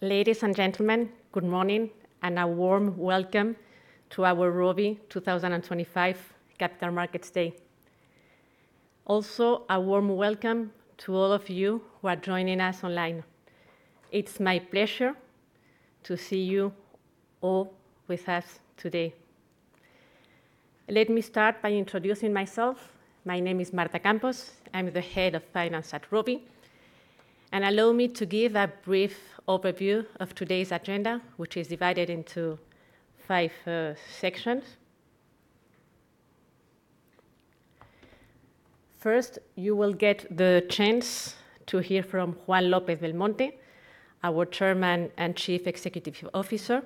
Ladies and gentlemen, good morning and a warm welcome to our Rovi 2025 Capital Markets Day. Also, a warm welcome to all of you who are joining us online. It's my pleasure to see you all with us today. Let me start by introducing myself. My name is Marta Campos. I'm the Head of Finance at Rovi. Allow me to give a brief overview of today's agenda, which is divided into five sections. First, you will get the chance to hear from Juan López-Belmonte, our Chairman and Chief Executive Officer,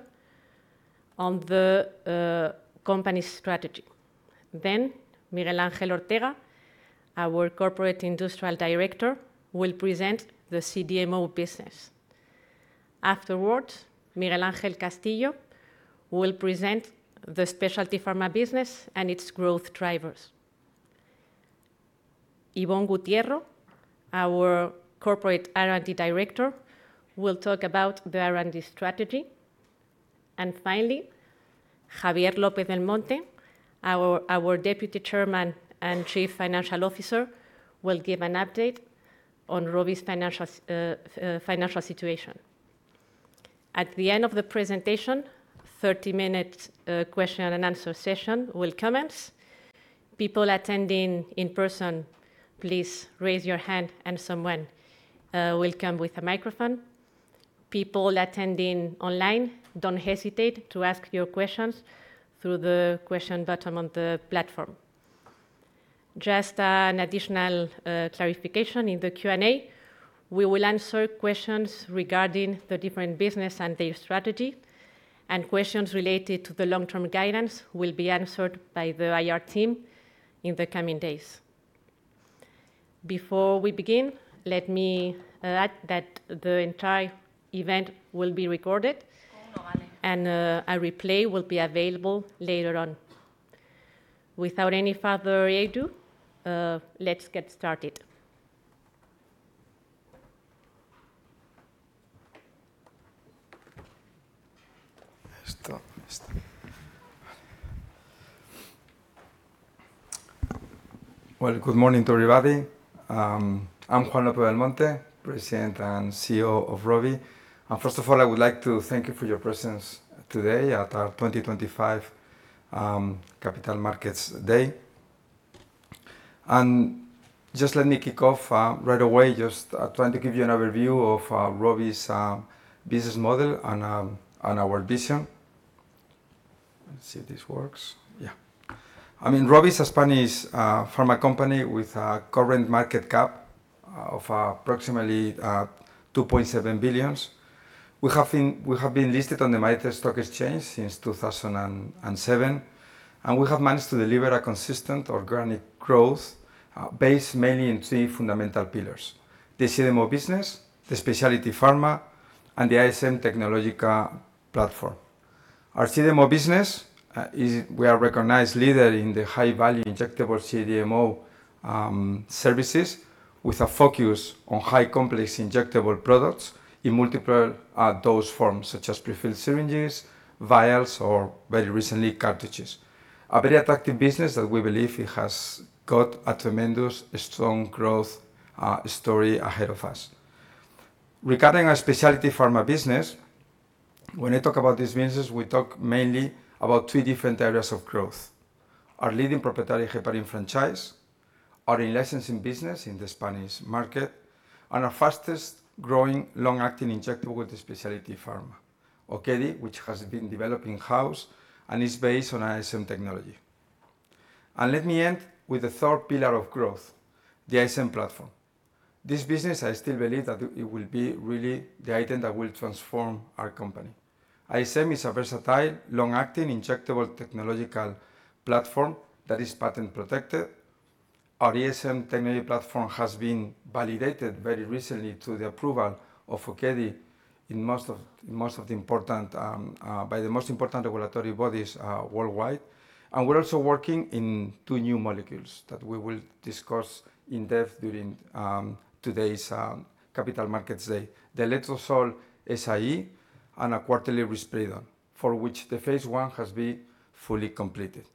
on the company's strategy. Then Miguel Ángel Ortega, our Corporate Industrial Director, will present the CDMO business. Afterwards, Miguel Ángel Castillo will present the specialty pharma business and its growth drivers. Ibon Gutierro, our Corporate R&D Director, will talk about the R&D strategy. Finally, Javier López-Belmonte, our Deputy Chairman and Chief Financial Officer, will give an update on Rovi's financial situation. At the end of the presentation, 30-minute question and answer session will commence. People attending in person, please raise your hand and someone will come with a microphone. People attending online, don't hesitate to ask your questions through the question button on the platform. Just an additional clarification. In the Q&A, we will answer questions regarding the different business and their strategy, and questions related to the long-term guidance will be answered by the IR team in the coming days. Before we begin, let me add that the entire event will be recorded and a replay will be available later on. Without any further ado, let's get started. Well, good morning to everybody. I'm Juan López-Belmonte, President and CEO of Rovi. First of all, I would like to thank you for your presence today at our 2025 Capital Markets Day. Just let me kick off right away, trying to give you an overview of Rovi's business model and our vision. Let's see if this works. Yeah. I mean, Rovi is a Spanish pharma company with a current market cap of approximately 2.7 billion. We have been listed on the Madrid Stock Exchange since 2007, and we have managed to deliver a consistent organic growth based mainly on three fundamental pillars: the CDMO business, the specialty pharma, and the ISM Technology platform. Our CDMO business is a recognized leader in the high-value injectable CDMO services with a focus on highly complex injectable products in multiple dose forms, such as prefilled syringes, vials, or very recently, cartridges. A very attractive business that we believe has a tremendously strong growth story ahead of us. Regarding our specialty pharma business, when I talk about this business, we talk mainly about two different areas of growth: our leading proprietary heparin franchise, our in-licensing business in the Spanish market, and our fastest-growing long-acting injectable specialty pharma, Okedi, which has been developed in-house and is based on ISM technology. Let me end with the third pillar of growth, the ISM platform. This business, I still believe that it will be really the item that will transform our company. ISM is a versatile, long-acting injectable technological platform that is patent-protected. Our ISM Technology platform has been validated very recently to the approval of Okedi in most of the important by the most important regulatory bodies worldwide. We're also working in two new molecules that we will discuss in depth during today's Capital Markets Day. The letrozole ISM and a quarterly risperidone, for which the phase I has been fully completed.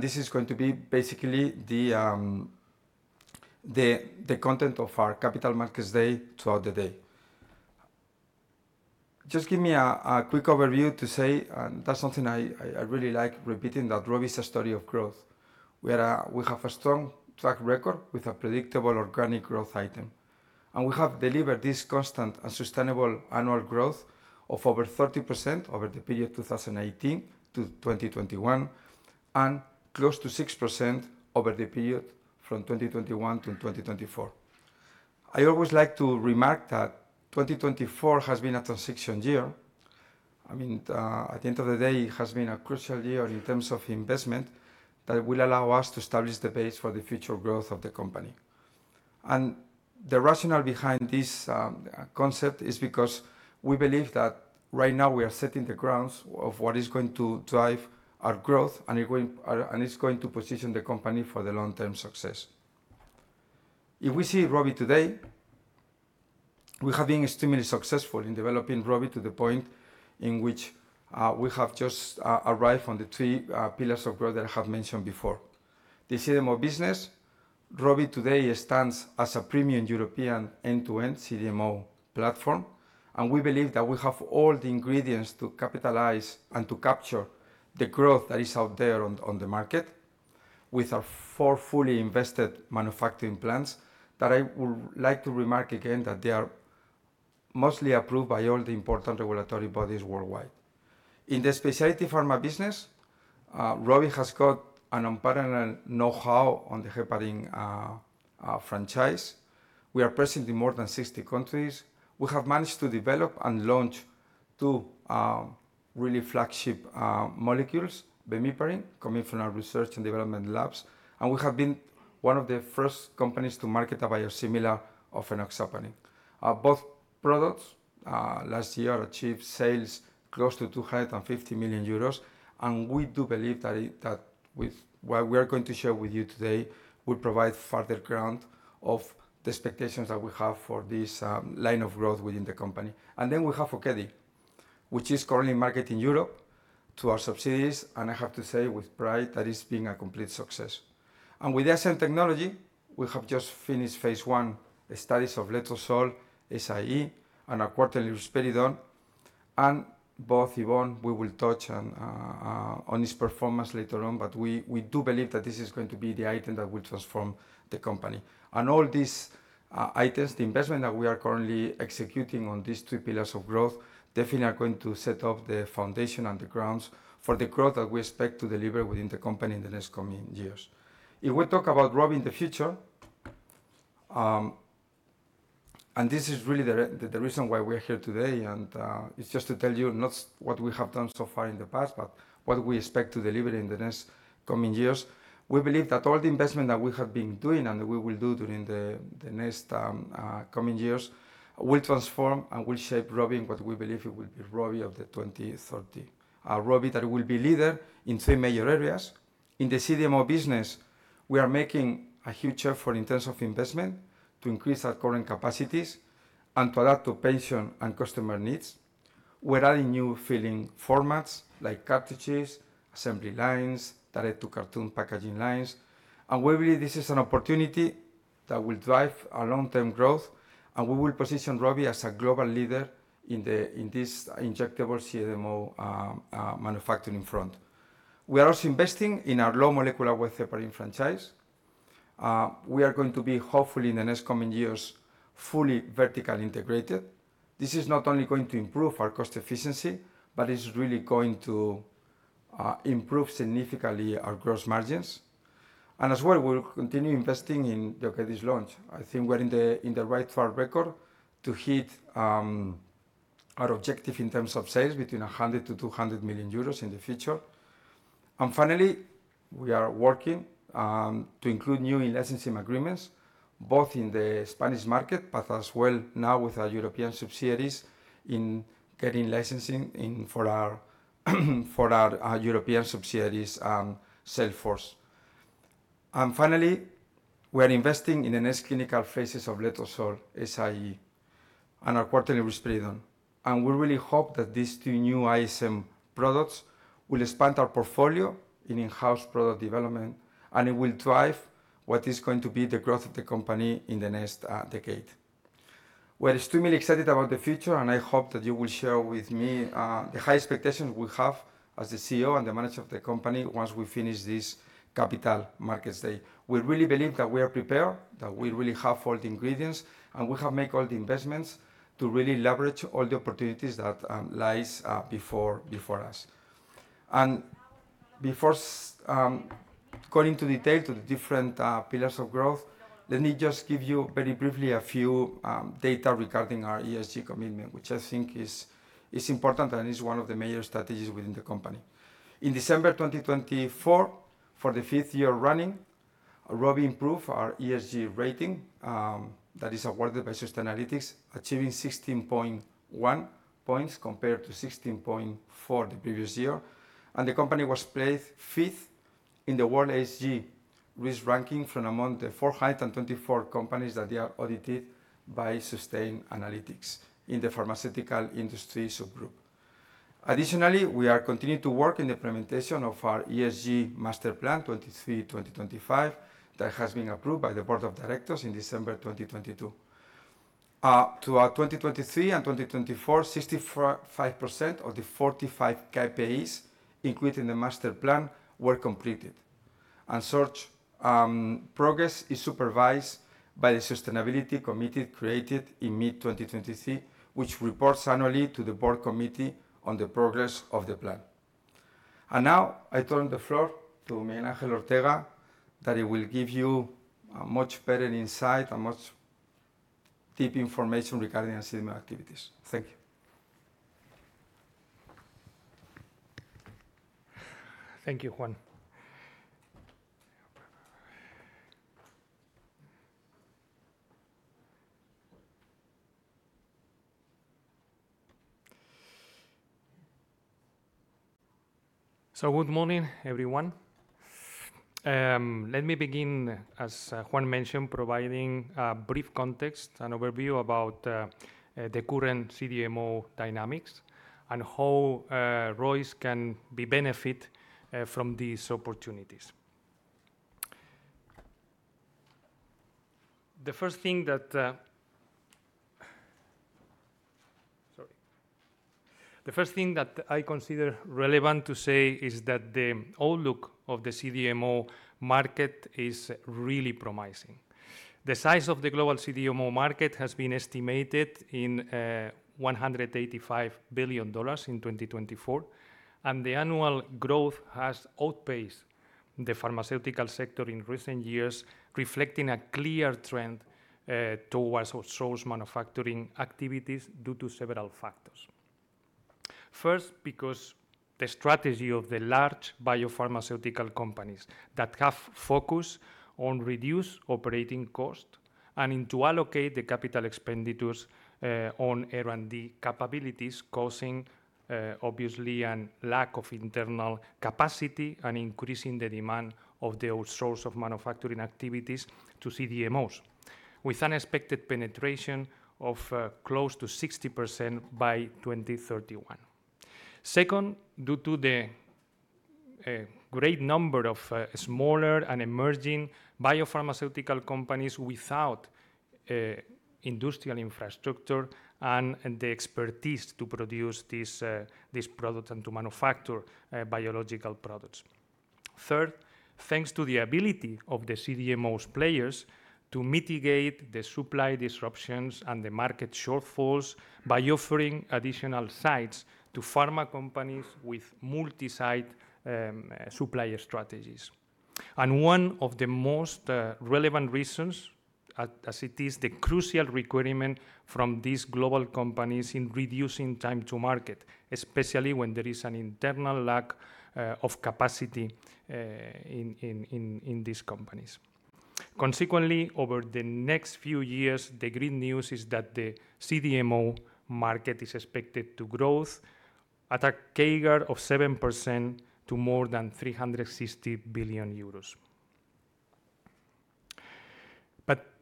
This is going to be basically the content of our Capital Markets Day throughout the day. Just give me a quick overview to say, and that's something I really like repeating, that Rovi is a story of growth. We have a strong track record with a predictable organic growth item. We have delivered this constant and sustainable annual growth of over 30% over the period 2018 to 2021, and close to 6% over the period from 2021 to 2024. I always like to remark that 2024 has been a transition year. I mean, at the end of the day, it has been a crucial year in terms of investment that will allow us to establish the base for the future growth of the company. The rationale behind this concept is because we believe that right now we are setting the grounds of what is going to drive our growth and it's going to position the company for the long-term success. If we see Rovi today, we have been extremely successful in developing Rovi to the point in which we have just arrived on the three pillars of growth that I have mentioned before. The CDMO business, Rovi today stands as a premium European end-to-end CDMO platform, and we believe that we have all the ingredients to capitalize and to capture the growth that is out there on the market with our four fully invested manufacturing plants that I would like to remark again that they are mostly approved by all the important regulatory bodies worldwide. In the specialty pharma business, Rovi has got an unparalleled know-how on the heparin franchise. We are present in more than 60 countries. We have managed to develop and launch two really flagship molecules, bemiparin, coming from our research and development labs, and we have been one of the first companies to market a biosimilar of enoxaparin. Both products last year achieved sales close to 250 million euros, and we do believe that with what we are going to share with you today will provide further ground of the expectations that we have for this line of growth within the company. We have Okedi, which is currently marketed in Europe to our subsidiaries, and I have to say with pride that it's been a complete success. With the ISM technology, we have just finished phase I studies of letrozole SIE and our quarterly risperidone, and both, Ibon, we will touch on this performance later on, but we do believe that this is going to be the item that will transform the company. All these items, the investment that we are currently executing on these three pillars of growth definitely are going to set up the foundation and the grounds for the growth that we expect to deliver within the company in the next coming years. If we talk about Rovi in the future, and this is really the reason why we're here today and, it's just to tell you not what we have done so far in the past, but what we expect to deliver in the next coming years. We believe that all the investment that we have been doing and that we will do during the next coming years will transform and will shape Rovi in what we believe it will be Rovi of 2030. Rovi that will be leader in three major areas. In the CDMO business, we are making a huge effort in terms of investment to increase our current capacities and to adapt to patient and customer needs. We're adding new filling formats like cartridges, assembly lines, direct-to-carton packaging lines, and we believe this is an opportunity that will drive our long-term growth, and we will position Rovi as a global leader in this injectable CDMO manufacturing front. We are also investing in our low molecular weight heparin franchise. We are going to be hopefully in the next coming years, fully vertically integrated. This is not only going to improve our cost efficiency, but it's really going to improve significantly our gross margins. We'll continue investing in the Okedi's launch. I think we're on the right track to hit our objective in terms of sales between 100 million and 200 million euros in the future. And finally, we are working to include new licensing agreements, both in the Spanish market, but as well now with our European subsidiaries in getting licensing in for our European subsidiaries' sales force. We are investing in the next clinical phases of Letrozole SIE and our Quarterly Risperidone. We really hope that these two new ISM products will expand our portfolio in-house product development, and it will drive what is going to be the growth of the company in the next decade. We're extremely excited about the future, and I hope that you will share with me the high expectations we have as the CEO and the Manager of the company once we finish this Capital Markets Day. We really believe that we are prepared, that we really have all the ingredients, and we have make all the investments to really leverage all the opportunities that lies before us. Before going into detail to the different pillars of growth, let me just give you very briefly a few data regarding our ESG commitment, which I think is important and is one of the major strategies within the company. In December 2024, for the fifth year running, Rovi improved our ESG rating that is awarded by Sustainalytics, achieving 16.1 points compared to 16.4 the previous year. The company was placed fifth in the world ESG risk ranking from among the 424 companies that they are audited by Sustainalytics in the pharmaceutical industry subgroup. Additionally, we are continuing to work in the implementation of our ESG master plan 2023 to 2025 that has been approved by the board of directors in December 2022. Throughout 2023 and 2024, 65% of the 45 KPIs included in the master plan were completed. Such progress is supervised by the sustainability committee created in mid-2023, which reports annually to the board committee on the progress of the plan. Now, I turn the floor to Miguel Ángel Ortega, that he will give you a much better insight and much deep information regarding ESG activities. Thank you. Thank you, Juan. Good morning, everyone. Let me begin, as Juan mentioned, providing a brief context and overview about the current CDMO dynamics and how Rovi can be benefit from these opportunities. The first thing that I consider relevant to say is that the outlook of the CDMO market is really promising. The size of the global CDMO market has been estimated in $185 billion in 2024, and the annual growth has outpaced the pharmaceutical sector in recent years, reflecting a clear trend towards outsource manufacturing activities due to several factors. First, because the strategy of the large biopharmaceutical companies that have focused on reducing operating costs and into allocating the capital expenditures on R&D capabilities, causing obviously a lack of internal capacity and increasing the demand of the outsourcing of manufacturing activities to CDMOs with unexpected penetration of close to 60% by 2031. Second, due to the great number of smaller and emerging biopharmaceutical companies without industrial infrastructure and the expertise to produce this product and to manufacture biological products. Third, thanks to the ability of the CDMO players to mitigate the supply disruptions and the market shortfalls by offering additional sites to pharma companies with multi-site supplier strategies. One of the most relevant reasons, as it is the crucial requirement from these global companies in reducing time to market, especially when there is an internal lack of capacity in these companies. Consequently, over the next few years, the great news is that the CDMO market is expected to grow at a CAGR of 7% to more than 360 billion euros.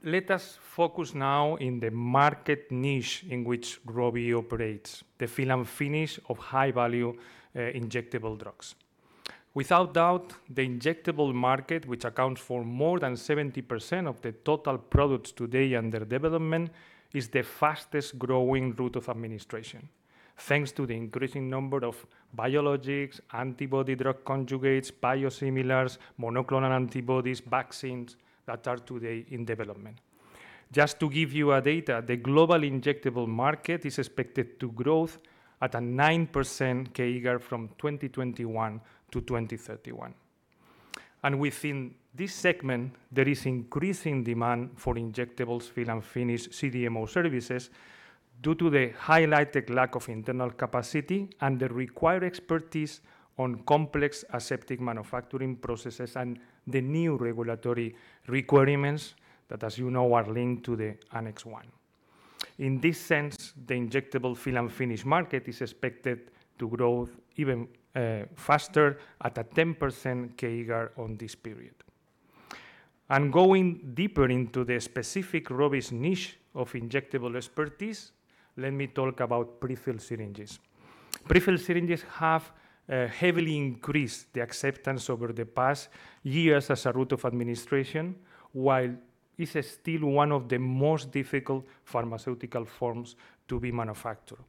Let us focus now in the market niche in which Rovi operates, the fill and finish of high-value injectable drugs. Without doubt, the injectable market, which accounts for more than 70% of the total products today under development, is the fastest growing route of administration, thanks to the increasing number of biologics, antibody-drug conjugates, biosimilars, monoclonal antibodies, vaccines that are today in development. Just to give you a data, the global injectable market is expected to growth at a 9% CAGR from 2021 to 2031. Within this segment, there is increasing demand for injectables fill and finish CDMO services due to the highlighted lack of internal capacity and the required expertise on complex aseptic manufacturing processes and the new regulatory requirements that, as you know, are linked to the Annex 1. In this sense, the injectable fill and finish market is expected to growth even faster at a 10% CAGR on this period. Going deeper into the specific Rovi's niche of injectable expertise, let me talk about pre-filled syringes. Pre-filled syringes have heavily increased the acceptance over the past years as a route of administration, while it's still one of the most difficult pharmaceutical forms to be manufactured,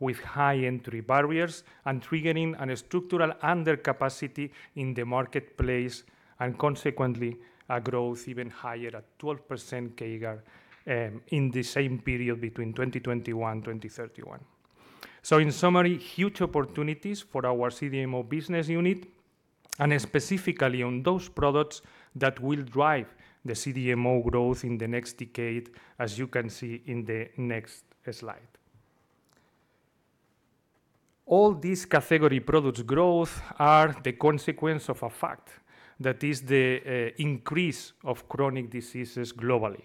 with high entry barriers and triggering a structural undercapacity in the marketplace and consequently a growth even higher at 12% CAGR in the same period between 2021 and 2031. In summary, huge opportunities for our CDMO business unit and specifically on those products that will drive the CDMO growth in the next decade as you can see in the next slide. All these category products growth are the consequence of a fact that is the increase of chronic diseases globally.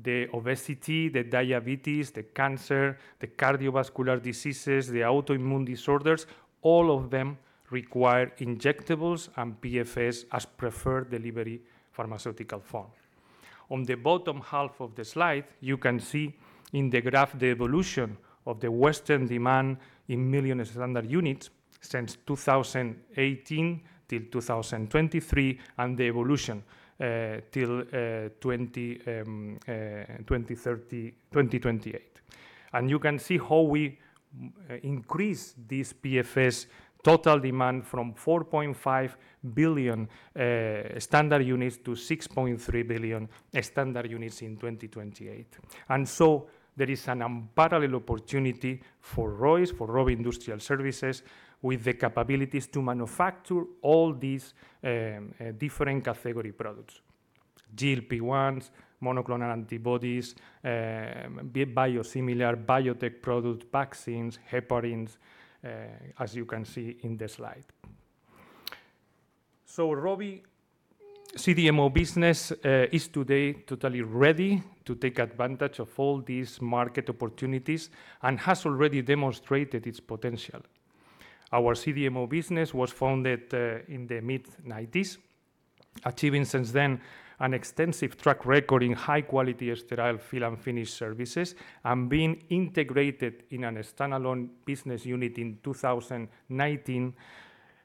The obesity, the diabetes, the cancer, the cardiovascular diseases, the autoimmune disorders, all of them require injectables and PFS as preferred delivery pharmaceutical form. On the bottom half of the slide, you can see in the graph the evolution of the Western demand in million standard units since 2018 till 2023 and the evolution till 2028. You can see how we increase this PFS total demand from 4.5 billion standard units to 6.3 billion standard units in 2028. There is an unparalleled opportunity for Rovi's, for Rovi Industrial Services, with the capabilities to manufacture all these different category products. GLP-1s, monoclonal antibodies, biosimilar, biotech products, vaccines, heparins, as you can see in this slide. Rovi CDMO business is today totally ready to take advantage of all these market opportunities and has already demonstrated its potential. Our CDMO business was founded in the mid-1990s, achieving since then an extensive track record in high quality sterile fill and finish services and being integrated in a standalone business unit in 2019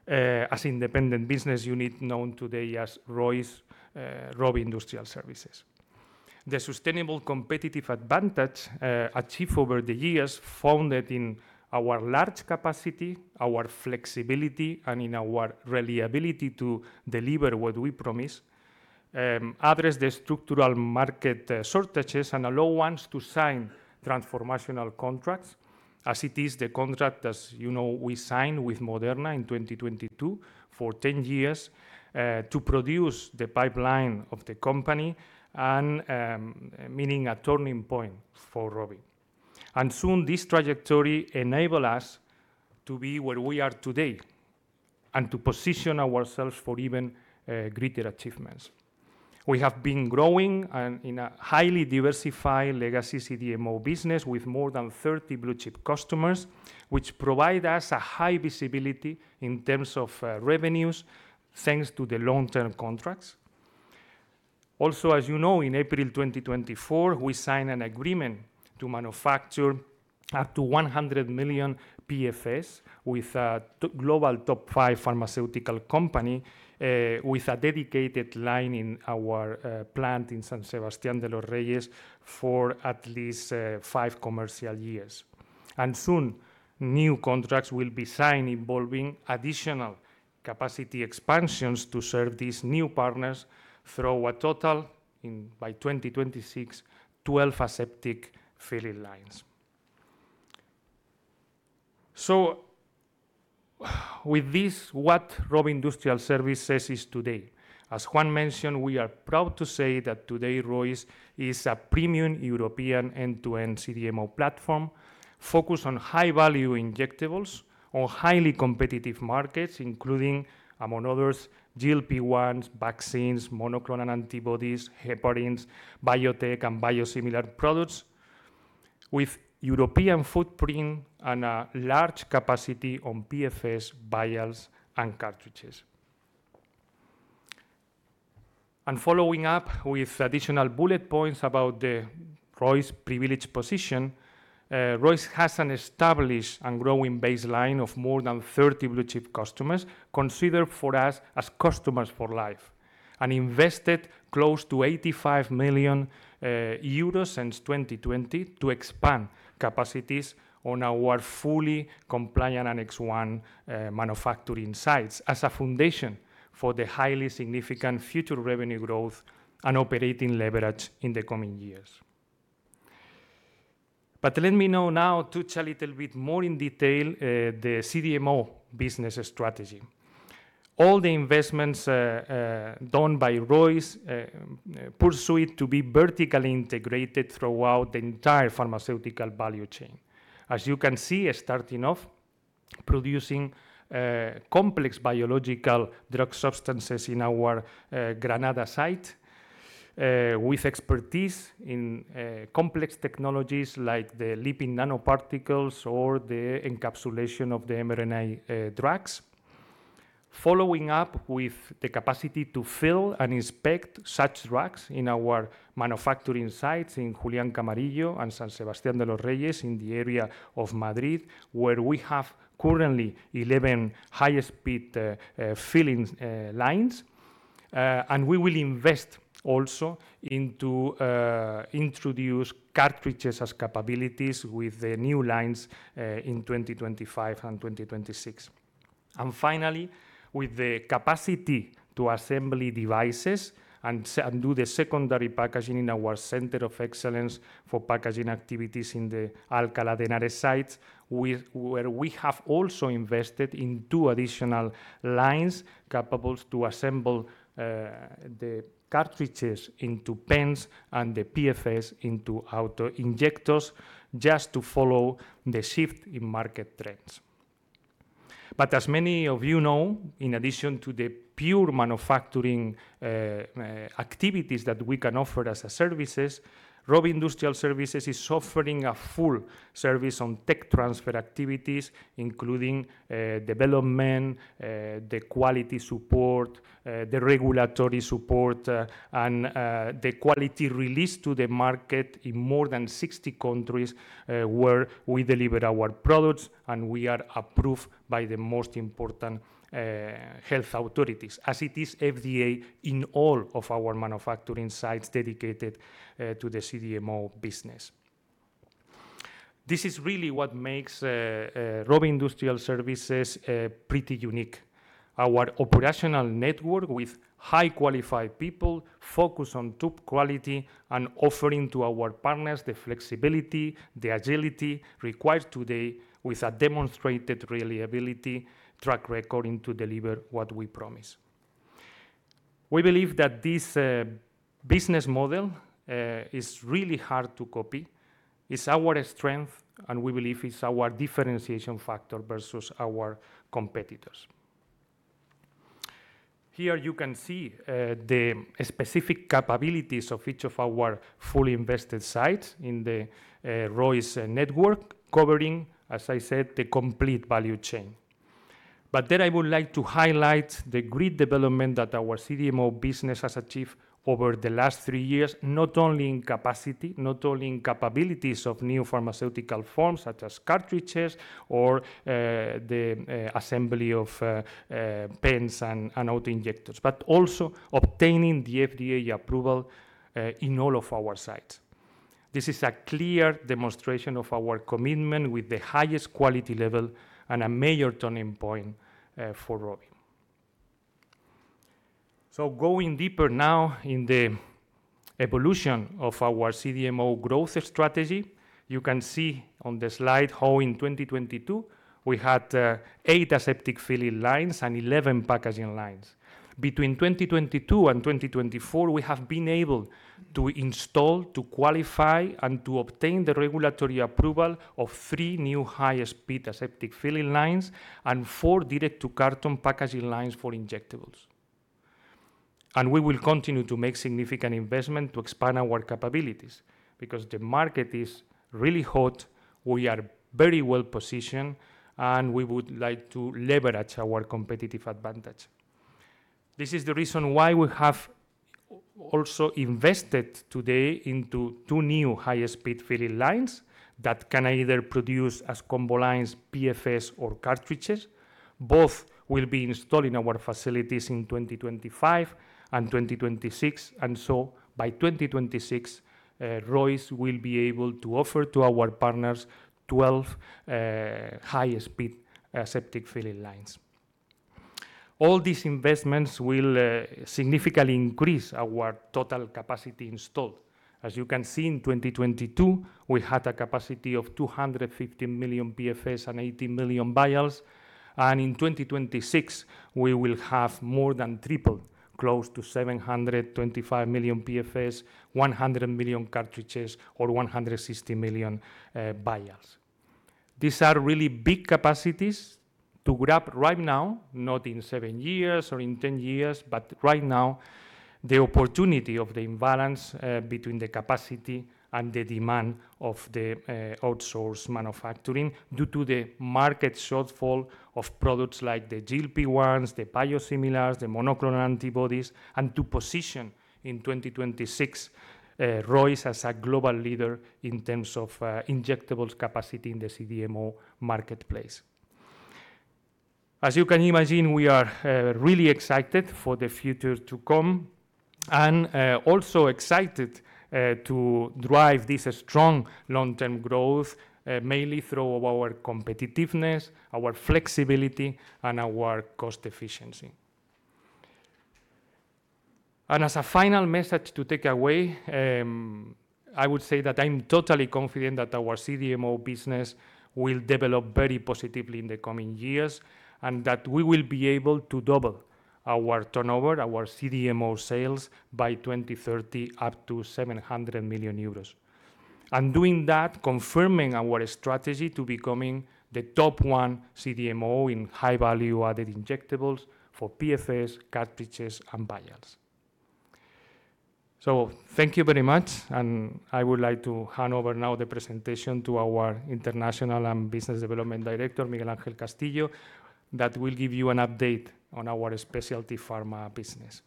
as independent business unit known today as ROIS, Rovi Industrial Services. The sustainable competitive advantage achieved over the years founded in our large capacity, our flexibility, and in our reliability to deliver what we promise address the structural market shortages and allow us to sign transformational contracts. As it is the contract, as you know, we signed with Moderna in 2022 for 10 years to produce the pipeline of the company and meaning a turning point for Rovi. Soon this trajectory enables us to be where we are today and to position ourselves for even greater achievements. We have been growing in a highly diversified legacy CDMO business with more than 30 blue-chip customers, which provide us a high visibility in terms of revenues, thanks to the long-term contracts. As you know, in April 2024, we signed an agreement to manufacture up to 100 million PFS with a global top five pharmaceutical company, with a dedicated line in our plant in San Sebastián de los Reyes for at least five commercial years. Soon, new contracts will be signed involving additional capacity expansions to serve these new partners to a total by 2026, 12 aseptic filling lines. With this, what Rovi Industrial Services is today. As Juan mentioned, we are proud to say that today ROIS is a premium European end-to-end CDMO platform focused on high value injectables or highly competitive markets, including among others, GLP-1s, vaccines, monoclonal antibodies, heparins, biotech and biosimilar products with European footprint and a large capacity on PFS, vials, and cartridges. Following up with additional bullet points about the ROIS' privileged position, ROIS has an established and growing baseline of more than 30 blue-chip customers considered for us as customers for life, and invested close to 85 million euros since 2020 to expand capacities on our fully compliant and Annex 1 manufacturing sites as a foundation for the highly significant future revenue growth and operating leverage in the coming years. Let me now touch a little bit more in detail the CDMO business strategy. All the investments done by ROIS pursue it to be vertically integrated throughout the entire pharmaceutical value chain. As you can see, starting off producing complex biological drug substances in our Granada site with expertise in complex technologies like the lipid nanoparticles or the encapsulation of the mRNA drugs. Following up with the capacity to fill and inspect such drugs in our manufacturing sites in Julián Camarillo and San Sebastián de los Reyes in the area of Madrid, where we have currently 11 high-speed filling lines. We will invest also into introduce cartridges as capabilities with the new lines in 2025 and 2026. Finally, with the capacity to assemble devices and do the secondary packaging in our center of excellence for packaging activities in the Alcalá de Henares site, where we have also invested in two additional lines capable to assemble the cartridges into pens and the PFS into autoinjectors just to follow the shift in market trends. As many of you know, in addition to the pure manufacturing activities that we can offer as services, Rovi Industrial Services is offering a full service on tech transfer activities, including development, the quality support, the regulatory support, and the quality release to the market in more than 60 countries where we deliver our products, and we are approved by the most important health authorities, as it is FDA in all of our manufacturing sites dedicated to the CDMO business. This is really what makes Rovi Industrial Services pretty unique. Our operational network with highly qualified people focus on top quality and offering to our partners the flexibility, the agility required today with a demonstrated reliability track record to deliver what we promise. We believe that this business model is really hard to copy. It's our strength, and we believe it's our differentiation factor versus our competitors. Here you can see the specific capabilities of each of our fully invested sites in the Rovi's network, covering, as I said, the complete value chain. I would like to highlight the great development that our CDMO business has achieved over the last three years, not only in capacity, not only in capabilities of new pharmaceutical forms such as cartridges or the assembly of pens and auto-injectors, but also obtaining the FDA approval in all of our sites. This is a clear demonstration of our commitment with the highest quality level and a major turning point for Rovi. Going deeper now in the evolution of our CDMO growth strategy, you can see on the slide how in 2022 we had eight aseptic filling lines and 11 packaging lines. Between 2022 and 2024, we have been able to install, to qualify, and to obtain the regulatory approval of three new highest speed aseptic filling lines and four direct to carton packaging lines for injectables. We will continue to make significant investment to expand our capabilities because the market is really hot, we are very well-positioned, and we would like to leverage our competitive advantage. This is the reason why we have also invested today into two new highest speed filling lines that can either produce as combo lines, PFS or cartridges. Both will be installed in our facilities in 2025 and 2026. By 2026, ROIs will be able to offer to our partners 12 highest speed aseptic filling lines. All these investments will significantly increase our total capacity installed. As you can see, in 2022, we had a capacity of 250 million PFS and 80 million vials. In 2026, we will have more than triple, close to 725 million PFS, 100 million cartridges or 160 million vials. These are really big capacities to grab right now, not in seven years or in 10 years, but right now, the opportunity of the imbalance between the capacity and the demand of the outsourced manufacturing due to the market shortfall of products like the GLP-1s, the biosimilars, the monoclonal antibodies, and to position in 2026 ROIS's as a global leader in terms of injectables capacity in the CDMO marketplace. As you can imagine, we are really excited for the future to come and also excited to drive this strong long-term growth mainly through our competitiveness, our flexibility, and our cost efficiency. As a final message to take away, I would say that I'm totally confident that our CDMO business will develop very positively in the coming years and that we will be able to double our turnover, our CDMO sales by 2030 up to 700 million euros, and doing that confirming our strategy to becoming the top one CDMO in high value added injectables for PFS, cartridges, and vials. Thank you very much, and I would like to hand over now the presentation to our International and Business Development Director, Miguel Ángel Castillo, that will give you an update on our specialty pharma business.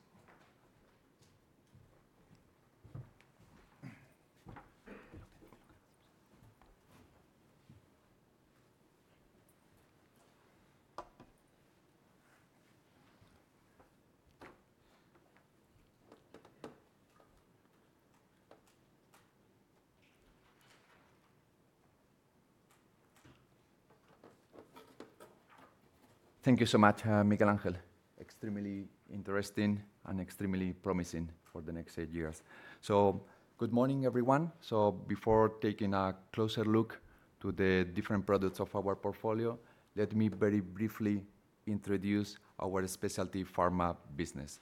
Thank you so much, Miguel Ángel. Extremely interesting and extremely promising for the next eight years. Good morning, everyone. Before taking a closer look to the different products of our portfolio, let me very briefly introduce our specialty pharma business.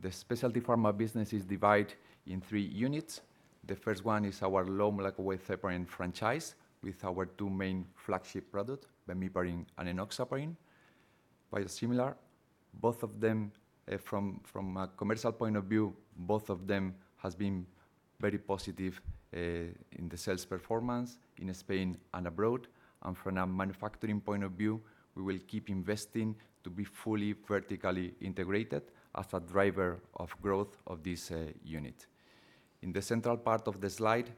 The specialty pharma business is divided in three units. The first one is our low molecular weight heparin franchise with our two main flagship products, bemiparin and enoxaparin. Biosimilar, both of them, from a commercial point of view, both of them has been very positive, in the sales performance in Spain and abroad. From a manufacturing point of view, we will keep investing to be fully vertically integrated as a driver of growth of this unit. In the central part of the slide,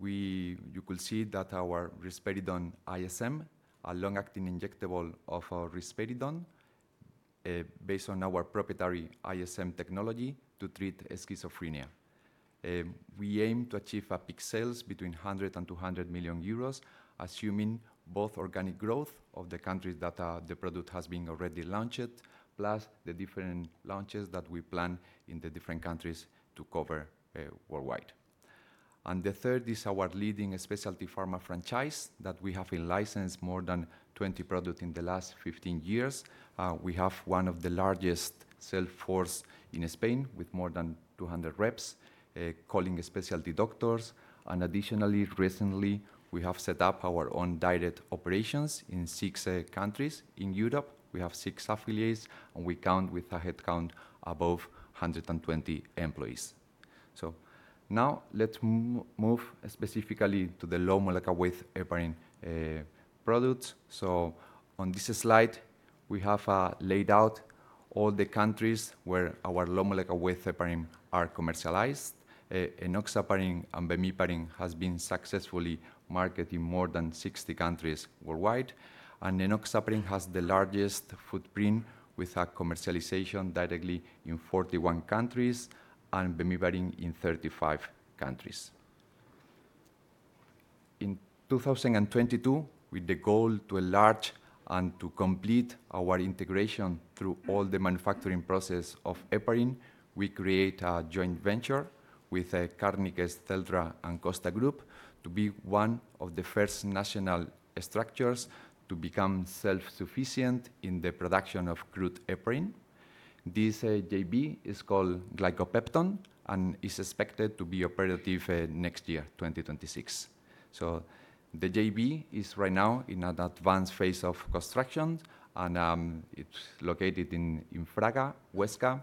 you can see that our risperidone ISM, a long-acting injectable of risperidone, based on our proprietary ISM technology to treat schizophrenia. We aim to achieve peak sales between 100 million and 200 million euros, assuming both organic growth of the countries that the product has been already launched, plus the different launches that we plan in the different countries to cover worldwide. The third is our leading specialty pharma franchise that we have licensed more than 20 products in the last 15 years. We have one of the largest sales forces in Spain with more than 200 reps calling specialty doctors. Additionally, recently, we have set up our own direct operations in six countries. In Europe, we have six affiliates, and we count with a headcount above 120 employees. Now let's move specifically to the low molecular weight heparin products. On this slide, we have laid out all the countries where our low molecular weight heparin are commercialized. Enoxaparin and bemiparin has been successfully marketed in more than 60 countries worldwide. Enoxaparin has the largest footprint with a commercialization directly in 41 countries and bemiparin in 35 countries. In 2022, with the goal to enlarge and to complete our integration through all the manufacturing process of heparin, we create a joint venture with Càrniques Celrà and Grupo Costa to be one of the first national structures to become self-sufficient in the production of crude heparin. This JV is called Glicopepton and is expected to be operative next year, 2026. The JV is right now in an advanced phase of construction, and it's located in Fraga, Huesca.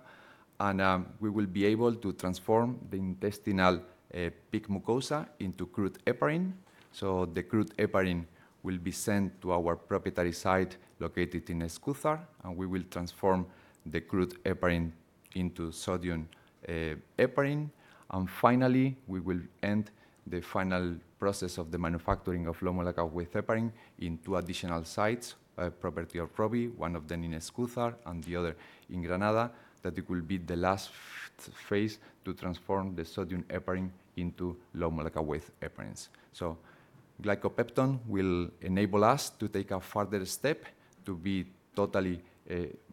We will be able to transform the intestinal pig mucosa into crude heparin. The crude heparin will be sent to our proprietary site located in Escucha, and we will transform the crude heparin into sodium heparin. Finally, we will end the final process of the manufacturing of low molecular weight heparin in two additional sites, a property of Rovi, one of them in Escúzar and the other in Granada, that it will be the last phase to transform the sodium heparin into low molecular weight heparins. Glicopepton will enable us to take a further step to be totally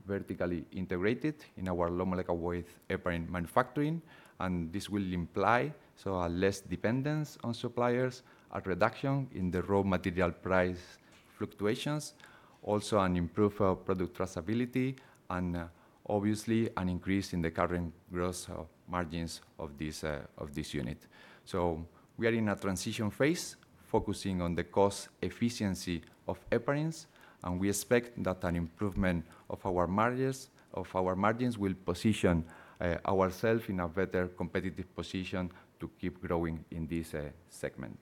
vertically integrated in our low molecular weight heparin manufacturing, and this will imply a less dependence on suppliers, a reduction in the raw material price fluctuations, also an improved product traceability and obviously an increase in the current gross margins of this unit. We are in a transition phase focusing on the cost efficiency of heparins, and we expect that an improvement of our margins will position ourself in a better competitive position to keep growing in this segment.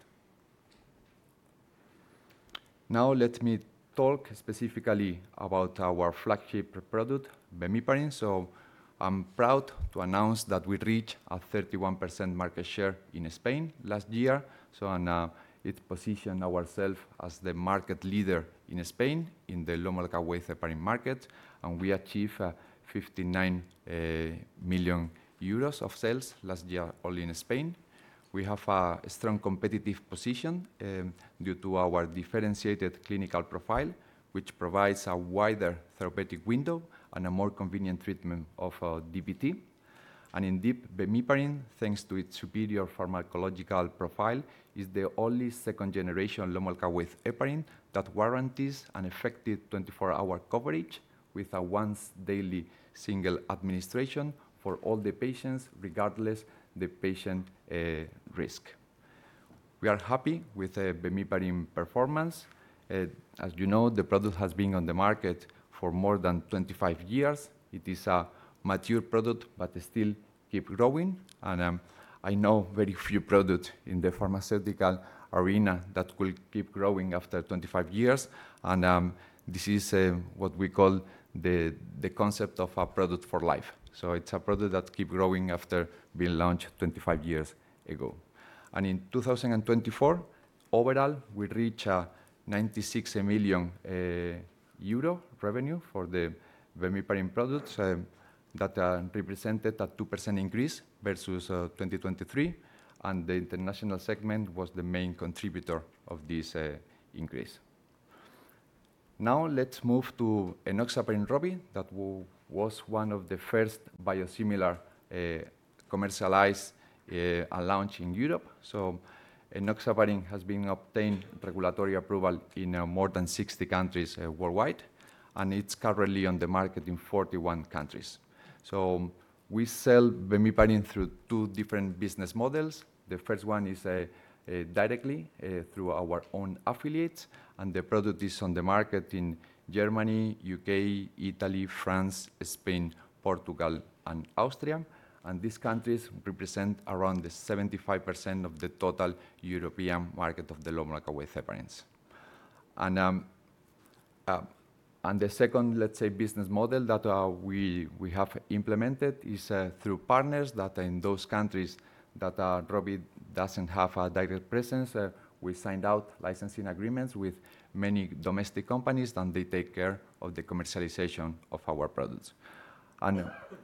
Now let me talk specifically about our flagship product, bemiparin. I'm proud to announce that we reached a 31% market share in Spain last year. It positions ourselves as the market leader in Spain in the low molecular weight heparin market, and we achieve 59 million euros of sales last year only in Spain. We have a strong competitive position due to our differentiated clinical profile, which provides a wider therapeutic window and a more convenient treatment of DVT. Indeed, bemiparin, thanks to its superior pharmacological profile, is the only second-generation low molecular weight heparin that warrants an effective 24-hour coverage with a once-daily single administration for all the patients, regardless the patient risk. We are happy with bemiparin performance. As you know, the product has been on the market for more than 25 years. It is a mature product, but it still keeps growing. I know very few products in the pharmaceutical arena that will keep growing after 25 years. This is what we call the concept of a product for life. It's a product that keep growing after being launched 25 years ago. In 2024, overall, we reach a 96 million euro revenue for the bemiparin products that represented a 2% increase versus 2023. The international segment was the main contributor of this increase. Now let's move to enoxaparin Rovi that was one of the first biosimilar commercialized and launched in Europe. Enoxaparin has been obtained regulatory approval in more than 60 countries worldwide, and it's currently on the market in 41 countries. We sell bemiparin through two different business models. The first one is directly through our own affiliates, and the product is on the market in Germany, U.K., Italy, France, Spain, Portugal, and Austria. These countries represent around 75% of the total European market of the low molecular weight heparins. The second, let's say, business model that we have implemented is through partners that in those countries that Rovi doesn't have a direct presence. We signed out-licensing agreements with many domestic companies, and they take care of the commercialization of our products.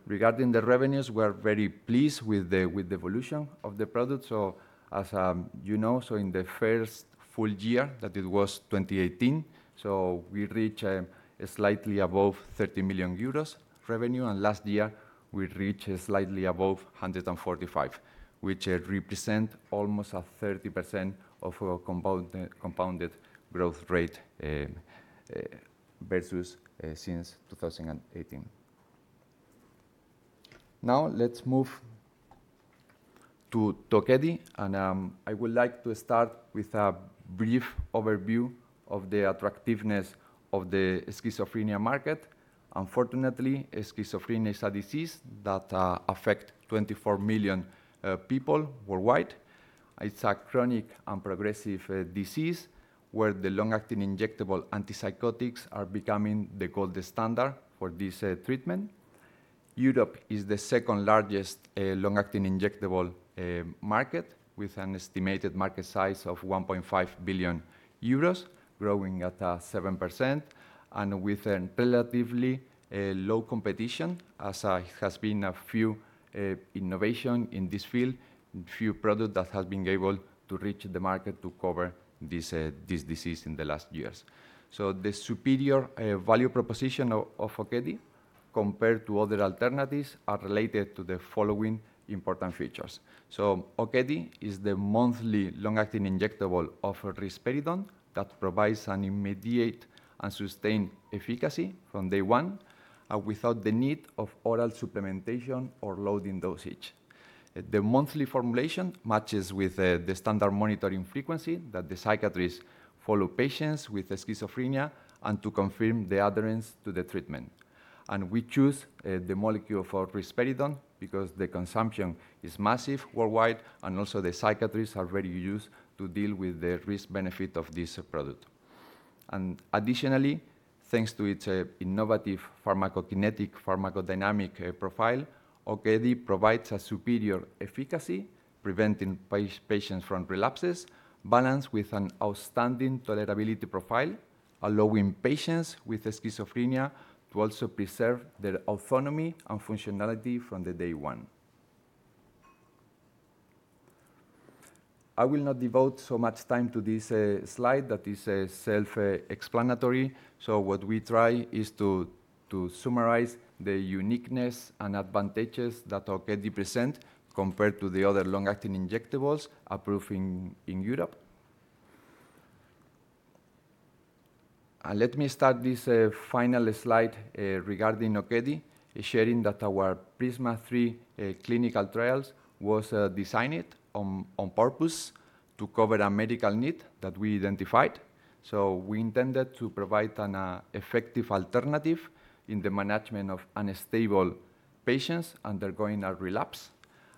Regarding the revenues, we are very pleased with the evolution of the product. In the first full year that it was 2018, we reach slightly above 30 million euros revenue. Last year we reached slightly above 145, which represents almost 30% of our compounded growth rate versus since 2018. Now let's move to Okedi. I would like to start with a brief overview of the attractiveness of the schizophrenia market. Unfortunately, schizophrenia is a disease that affects 24 million people worldwide. It's a chronic and progressive disease where the long-acting injectable antipsychotics are becoming the gold standard for this treatment. Europe is the second-largest long-acting injectable market with an estimated market size of 1.5 billion euros, growing at 7% and with a relatively low competition as has been a few innovations in this field and few product that has been able to reach the market to cover this disease in the last years. The superior value proposition of Okedi compared to other alternatives are related to the following important features. Okedi is the monthly long-acting injectable of risperidone that provides an immediate and sustained efficacy from day one without the need of oral supplementation or loading dosage. The monthly formulation matches with the standard monitoring frequency that the psychiatrists follow patients with schizophrenia and to confirm the adherence to the treatment. We choose the molecule of risperidone because the consumption is massive worldwide and also the psychiatrists already use to deal with the risk-benefit of this product. Additionally, thanks to its innovative pharmacokinetic pharmacodynamic profile, Okedi provides a superior efficacy preventing patients from relapses, balanced with an outstanding tolerability profile, allowing patients with schizophrenia to also preserve their autonomy and functionality from the day one. I will not devote so much time to this slide that is self-explanatory. What we try is to summarize the uniqueness and advantages that Okedi present compared to the other long-acting injectables approved in Europe. Let me start this final slide regarding Okedi, sharing that our PRISMA-3 clinical trials was designed on purpose to cover a medical need that we identified. We intended to provide an effective alternative in the management of unstable patients undergoing a relapse.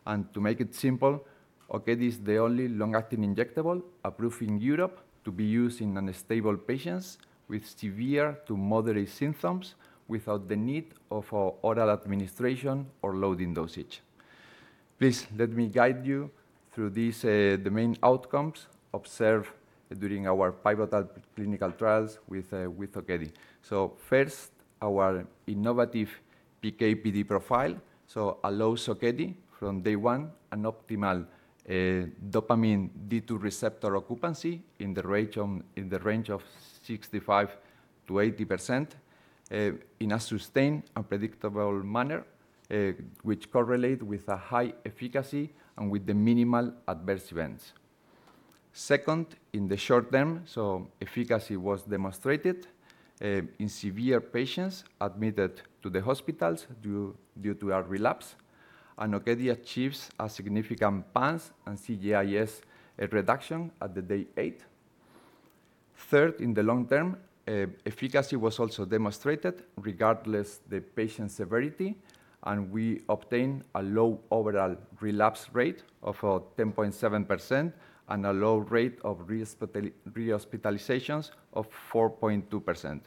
To make it simple, Okedi is the only long-acting injectable approved in Europe to be used in unstable patients with severe to moderate symptoms without the need of oral administration or loading dosage. Please let me guide you through these, the main outcomes observed during our pivotal clinical trials with Okedi. First, our innovative PK/PD profile allows Okedi from day one an optimal dopamine D2 receptor occupancy in the range of 65%-80% in a sustained and predictable manner, which correlate with a high efficacy and with the minimal adverse events. Second, in the short term, efficacy was demonstrated in severe patients admitted to the hospitals due to a relapse, and Okedi achieves a significant PANSS and CGI-S reduction at day eight. Third, in the long term, efficacy was also demonstrated regardless of the patient's severity, and we obtain a low overall relapse rate of 10.7% and a low rate of rehospitalizations of 4.2%.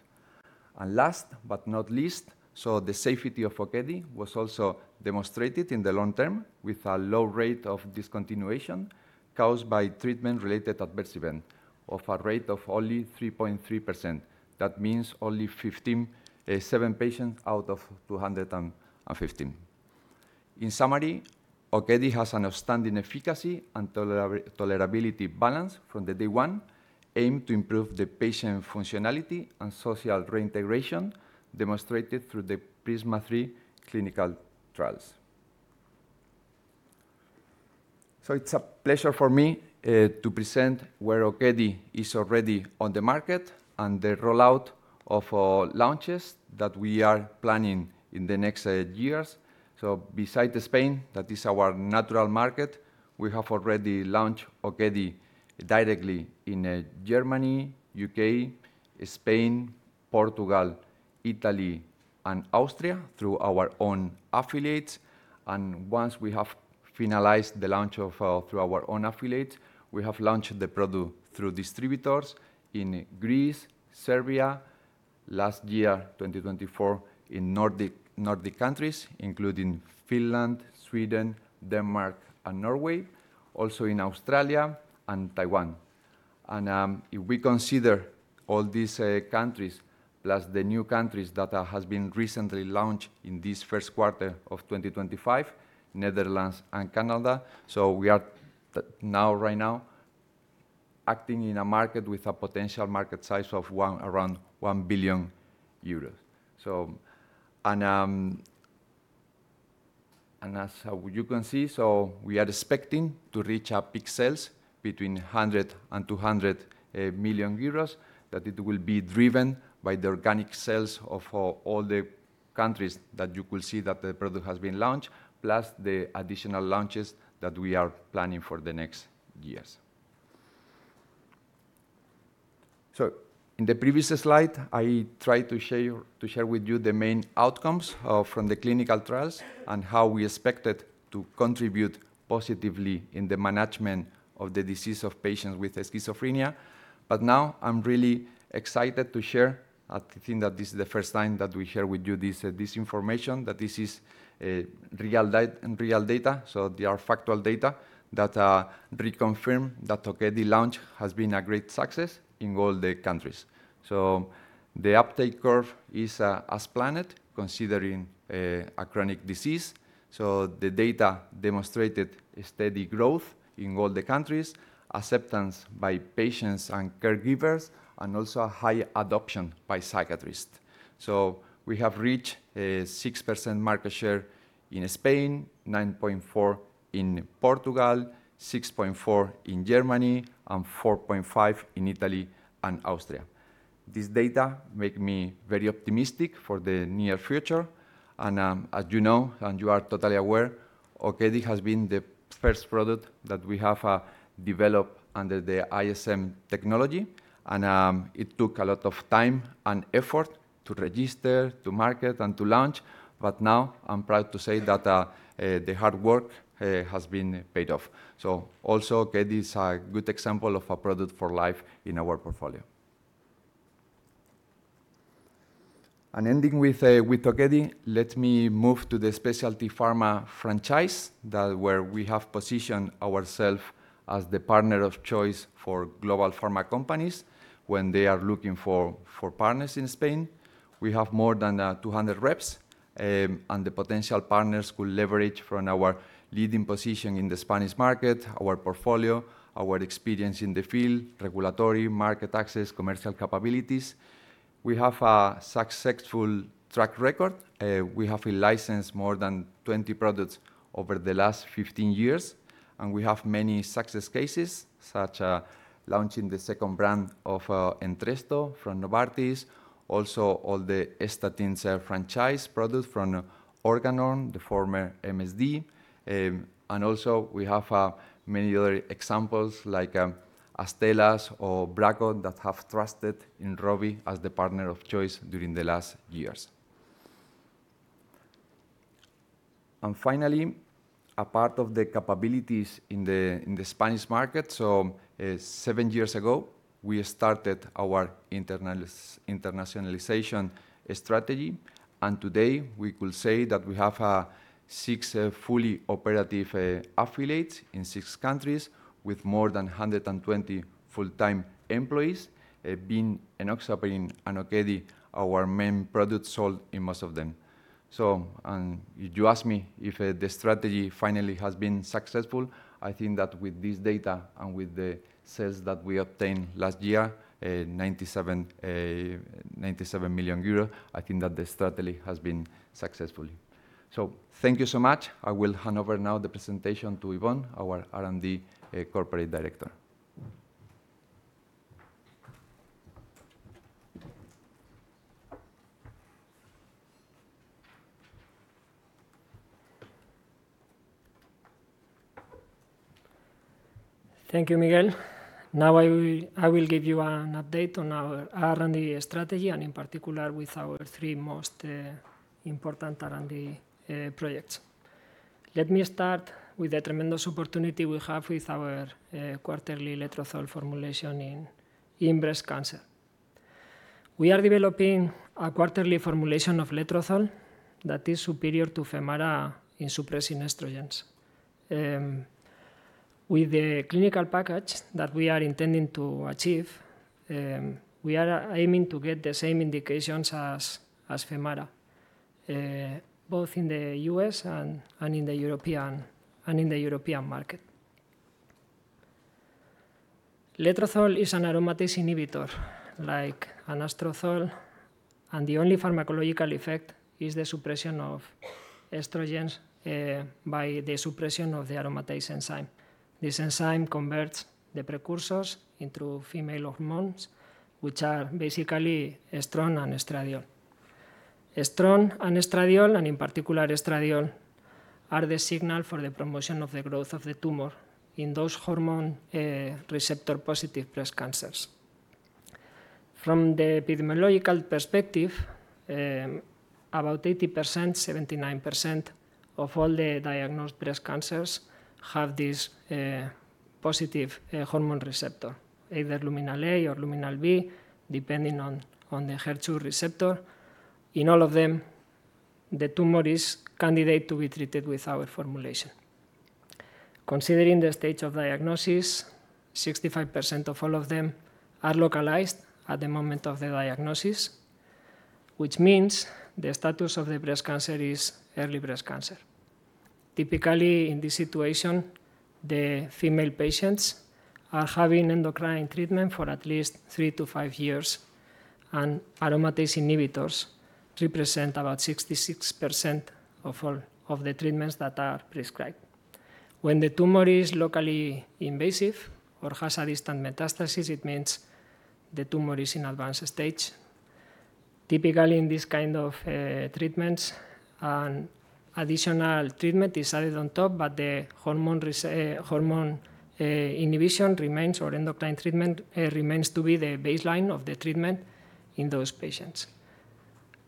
Last but not least, so the safety of Okedi was also demonstrated in the long term with a low rate of discontinuation caused by treatment-related adverse event of a rate of only 3.3%. That means only 15, seven patients out of 215. In summary, Okedi has an outstanding efficacy and tolerability balance from the day one, aimed to improve the patient functionality and social reintegration demonstrated through the PRISMA-3 clinical trials. It's a pleasure for me to present where Okedi is already on the market and the rollout of launches that we are planning in the next years. Beside Spain, that is our natural market, we have already launched Okedi directly in Germany, U.K., Spain, Portugal, Italy, and Austria through our own affiliates. Once we have finalized the launch of through our own affiliate, we have launched through distributors in Greece, Serbia, last year, 2024, in Nordic countries, including Finland, Sweden, Denmark, and Norway, also in Australia and Taiwan. If we consider all these countries plus the new countries that has been recently launched in this first quarter of 2025, Netherlands and Canada, we are now right now acting in a market with a potential market size of around 1 billion euros. As you can see, we are expecting to reach our peak sales between 100 million and 200 million euros, that it will be driven by the organic sales of all the countries that you can see that the product has been launched, plus the additional launches that we are planning for the next years. In the previous slide, I tried to share with you the main outcomes from the clinical trials and how we expect it to contribute positively in the management of the disease of patients with schizophrenia. Now I'm really excited to share. I think that this is the first time that we share with you this information, that this is real data. They are factual data that reconfirm that Okedi launch has been a great success in all the countries. The uptake curve is as planned, considering a chronic disease. The data demonstrated a steady growth in all the countries, acceptance by patients and caregivers, and also a high adoption by psychiatrists. We have reached a 6% market share in Spain, 9.4% in Portugal, 6.4% in Germany, and 4.5% in Italy and Austria. This data makes me very optimistic for the near future, and as you know, and you are totally aware, Okedi has been the first product that we have developed under the ISM Technology. It took a lot of time and effort to register, to market, and to launch, but now I'm proud to say that the hard work has been paid off. Also, Okedi is a good example of a product for life in our portfolio. Ending with Okedi, let me move to the specialty pharma franchise, where we have positioned ourselves as the partner of choice for global pharma companies when they are looking for partners in Spain. We have more than 200 reps, and the potential partners will leverage from our leading position in the Spanish market, our portfolio, our experience in the field, regulatory, market access, commercial capabilities. We have a successful track record. We have licensed more than 20 products over the last 15 years, and we have many success cases, such as launching the second brand of Entresto from Novartis. Also, all the ezetimibe franchise products from Organon, the former MSD. We have many other examples like Astellas or Bracco that have trusted in Rovi as the partner of choice during the last years. Finally, a part of the capabilities in the Spanish market. Seven years ago, we started our internationalization strategy, and today we could say that we have six fully operative affiliates in six countries with more than 120 full-time employees, being enoxaparin and Okedi, our main products sold in most of them. If you ask me if the strategy finally has been successful, I think that with this data and with the sales that we obtained last year, 97 million euros, I think that the strategy has been successful. Thank you so much. I will hand over now the presentation to Ibon, our R&D Corporate Director. Thank you, Miguel. Now I will give you an update on our R&D strategy, and in particular with our three most important R&D projects. Let me start with the tremendous opportunity we have with our quarterly letrozole formulation in breast cancer. We are developing a quarterly formulation of letrozole that is superior to Femara in suppressing estrogens. With the clinical package that we are intending to achieve, we are aiming to get the same indications as Femara, both in the U.S. and in the European market. Letrozole is an aromatase inhibitor like anastrozole, and the only pharmacological effect is the suppression of estrogens by the suppression of the aromatase enzyme. This enzyme converts the precursors into female hormones, which are basically estrogen and estradiol. Estrogen and estradiol, and in particular estradiol, are the signal for the promotion of the growth of the tumor in those hormone receptor-positive breast cancers. From the epidemiological perspective, about 80%, 79% of all the diagnosed breast cancers have this positive hormone receptor, either luminal A or luminal B, depending on the HER2 receptor. In all of them, the tumor is candidate to be treated with our formulation. Considering the stage of diagnosis, 65% of all of them are localized at the moment of the diagnosis, which means the status of the breast cancer is early breast cancer. Typically, in this situation, the female patients are having endocrine treatment for at least three-five years, and aromatase inhibitors represent about 66% of all of the treatments that are prescribed. When the tumor is locally invasive or has a distant metastasis, it means the tumor is in advanced stage. Typically, in this kind of treatments, an additional treatment is added on top, but the hormone inhibition remains or endocrine treatment remains to be the baseline of the treatment in those patients.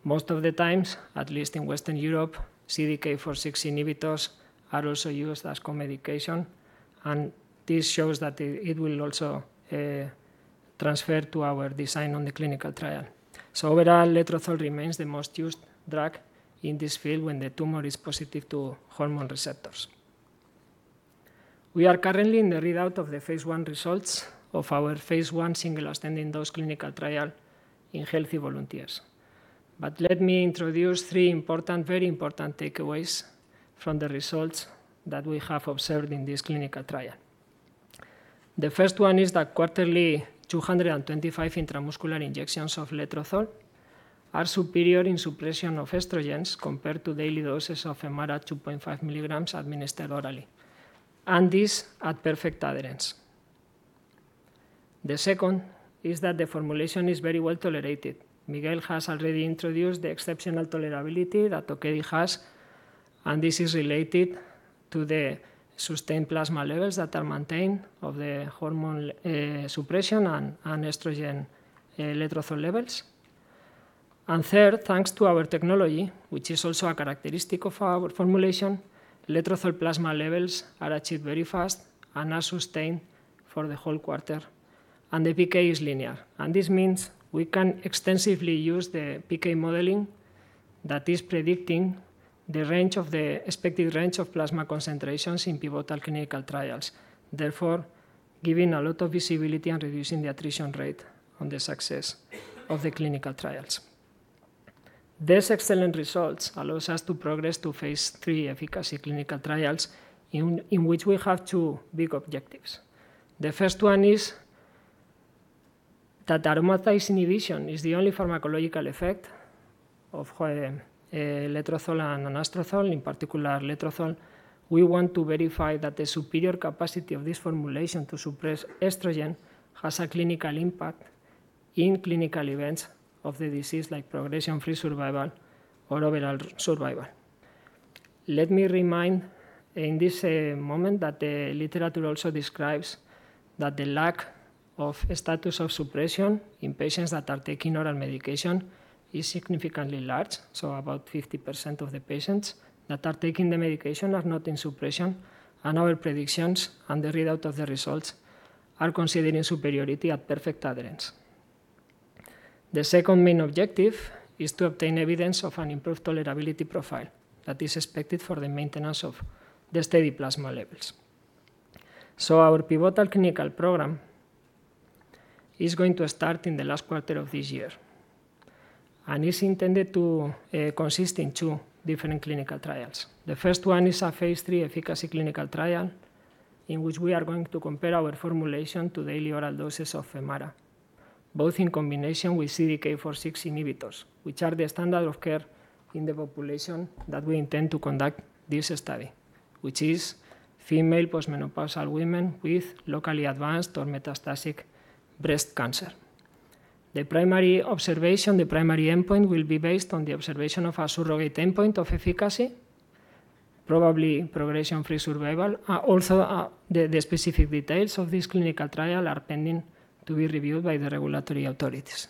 Most of the times, at least in Western Europe, CDK4/6 inhibitors are also used as co-medication, and this shows that it will also transfer to our design on the clinical trial. Overall, letrozole remains the most used drug in this field when the tumor is positive to hormone receptors. We are currently in the readout of the phase I results of our phase I single-ascending dose clinical trial in healthy volunteers. Let me introduce three important, very important takeaways from the results that we have observed in this clinical trial. The first one is that quarterly 225 intramuscular injections of letrozole are superior in suppression of estrogens compared to daily doses of Femara 2.5 mg administered orally, and this at perfect adherence. The second is that the formulation is very well-tolerated. Miguel has already introduced the exceptional tolerability that therapy has, and this is related to the sustained plasma levels that are maintained of the hormone suppression and estrogen letrozole levels. Third, thanks to our technology, which is also a characteristic of our formulation, letrozole plasma levels are achieved very fast and are sustained for the whole quarter, and the PK is linear. This means we can extensively use the PK modeling that is predicting the range of the expected range of plasma concentrations in pivotal clinical trials, therefore giving a lot of visibility and reducing the attrition rate on the success of the clinical trials. These excellent results allow us to progress to phase III efficacy clinical trials in which we have two big objectives. The first one is that aromatase inhibition is the only pharmacological effect of letrozole and anastrozole, in particular letrozole. We want to verify that the superior capacity of this formulation to suppress estrogen has a clinical impact in clinical events of the disease like progression-free survival or overall survival. Let me remind in this moment that the literature also describes that the lack of estrogen suppression in patients that are taking oral medication is significantly large. About 50% of the patients that are taking the medication are not in suppression, and our predictions and the readout of the results are considering superiority at perfect adherence. The second main objective is to obtain evidence of an improved tolerability profile that is expected for the maintenance of the steady plasma levels. Our pivotal clinical program is going to start in the last quarter of this year, and is intended to consist in two different clinical trials. The first one is a phase III efficacy clinical trial in which we are going to compare our formulation to daily oral doses of Femara, both in combination with CDK4/6 inhibitors, which are the standard of care in the population that we intend to conduct this study, which is female postmenopausal women with locally advanced or metastatic breast cancer. The primary endpoint will be based on the observation of a surrogate endpoint of efficacy, probably progression-free survival. The specific details of this clinical trial are pending to be reviewed by the regulatory authorities.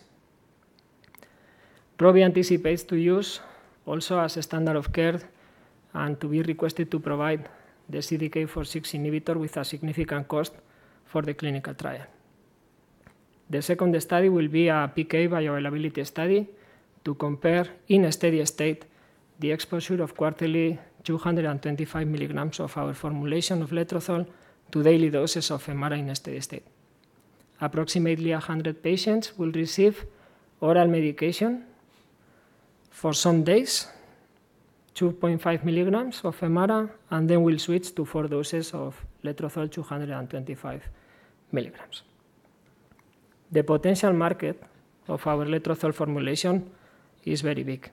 Rovi anticipates to use also as a standard of care and to be requested to provide the CDK4/6 inhibitor with a significant cost for the clinical trial. The second study will be a PK bioavailability study to compare in a steady state the exposure of quarterly 225 mg of our formulation of letrozole to daily doses of Femara in a steady state. Approximately 100 patients will receive oral medication for some days, 2.5 mg of Femara, and then will switch to four doses of letrozole 225 mg. The potential market of our letrozole formulation is very big.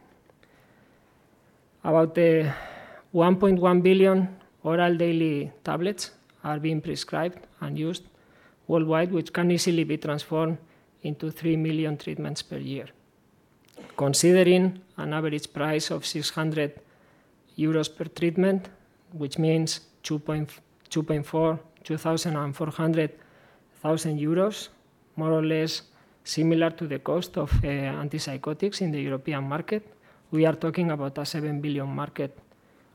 About 1.1 billion oral daily tablets are being prescribed and used worldwide, which can easily be transformed into three million treatments per year. Considering an average price of 600 euros per treatment, which means 2,400,000 euros, more or less similar to the cost of antipsychotics in the European market, we are talking about a 7 billion market,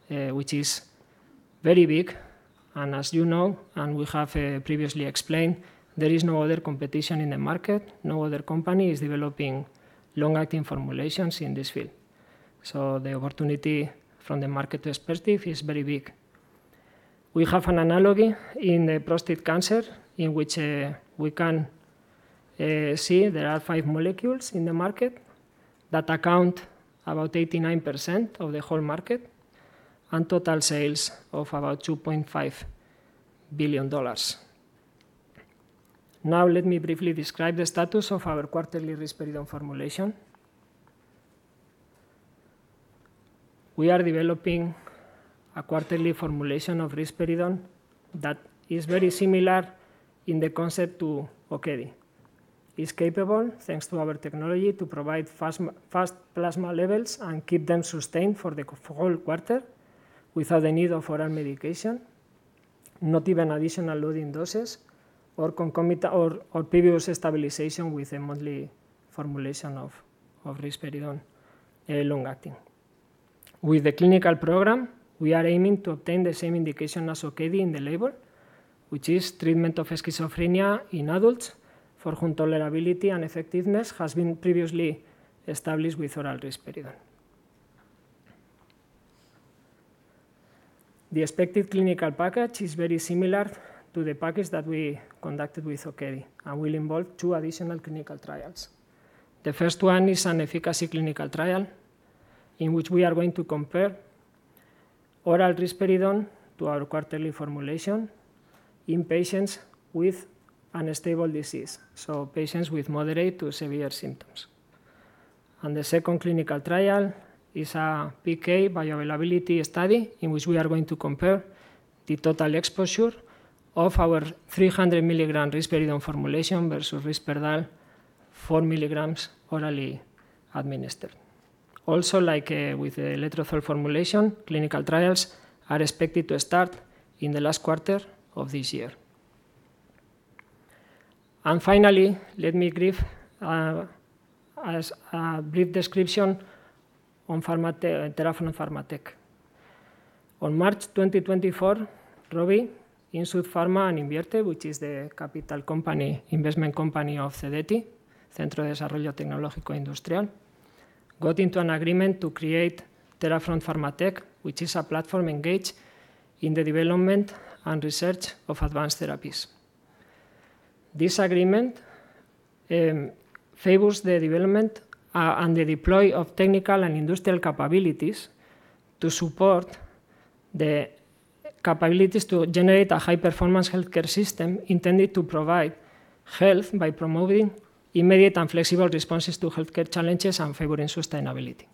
which is very big. As you know, we have previously explained, there is no other competition in the market. No other company is developing long-acting formulations in this field. The opportunity from the market perspective is very big. We have an analogy in the prostate cancer in which we can see there are five molecules in the market that account for about 89% of the whole market and total sales of about $2.5 billion. Now let me briefly describe the status of our quarterly risperidone formulation. We are developing a quarterly formulation of risperidone that is very similar in the concept to Okedi. It's capable, thanks to our technology, to provide fast plasma levels and keep them sustained for whole quarter without the need of oral medication, not even additional loading doses or or previous stabilization with a monthly formulation of risperidone long acting. With the clinical program, we are aiming to obtain the same indication as Okedi in the label, which is treatment of schizophrenia in adults for whom tolerability and effectiveness has been previously established with oral risperidone. The expected clinical package is very similar to the package that we conducted with Okedi and will involve two additional clinical trials. The first one is an efficacy clinical trial in which we are going to compare oral risperidone to our quarterly formulation in patients with unstable disease, so patients with moderate to severe symptoms. The second clinical trial is a PK bioavailability study in which we are going to compare the total exposure of our 300 mg risperidone formulation versus Risperdal 4 mg orally administered. Also, like, with the Okedi formulation, clinical trials are expected to start in the last quarter of this year. Finally, let me brief as a brief description on Terafront Farmatech. On March 2024, Rovi, Insud Pharma, and Innvierte, which is the capital company, investment company of CDTI, Centro para el Desarrollo Tecnológico Industrial, got into an agreement to create Terafront Farmatech, which is a platform engaged in the development and research of advanced therapies. This agreement favors the development and the deploy of technical and industrial capabilities to support the capabilities to generate a high-performance healthcare system intended to provide health by promoting immediate and flexible responses to healthcare challenges and favoring sustainability.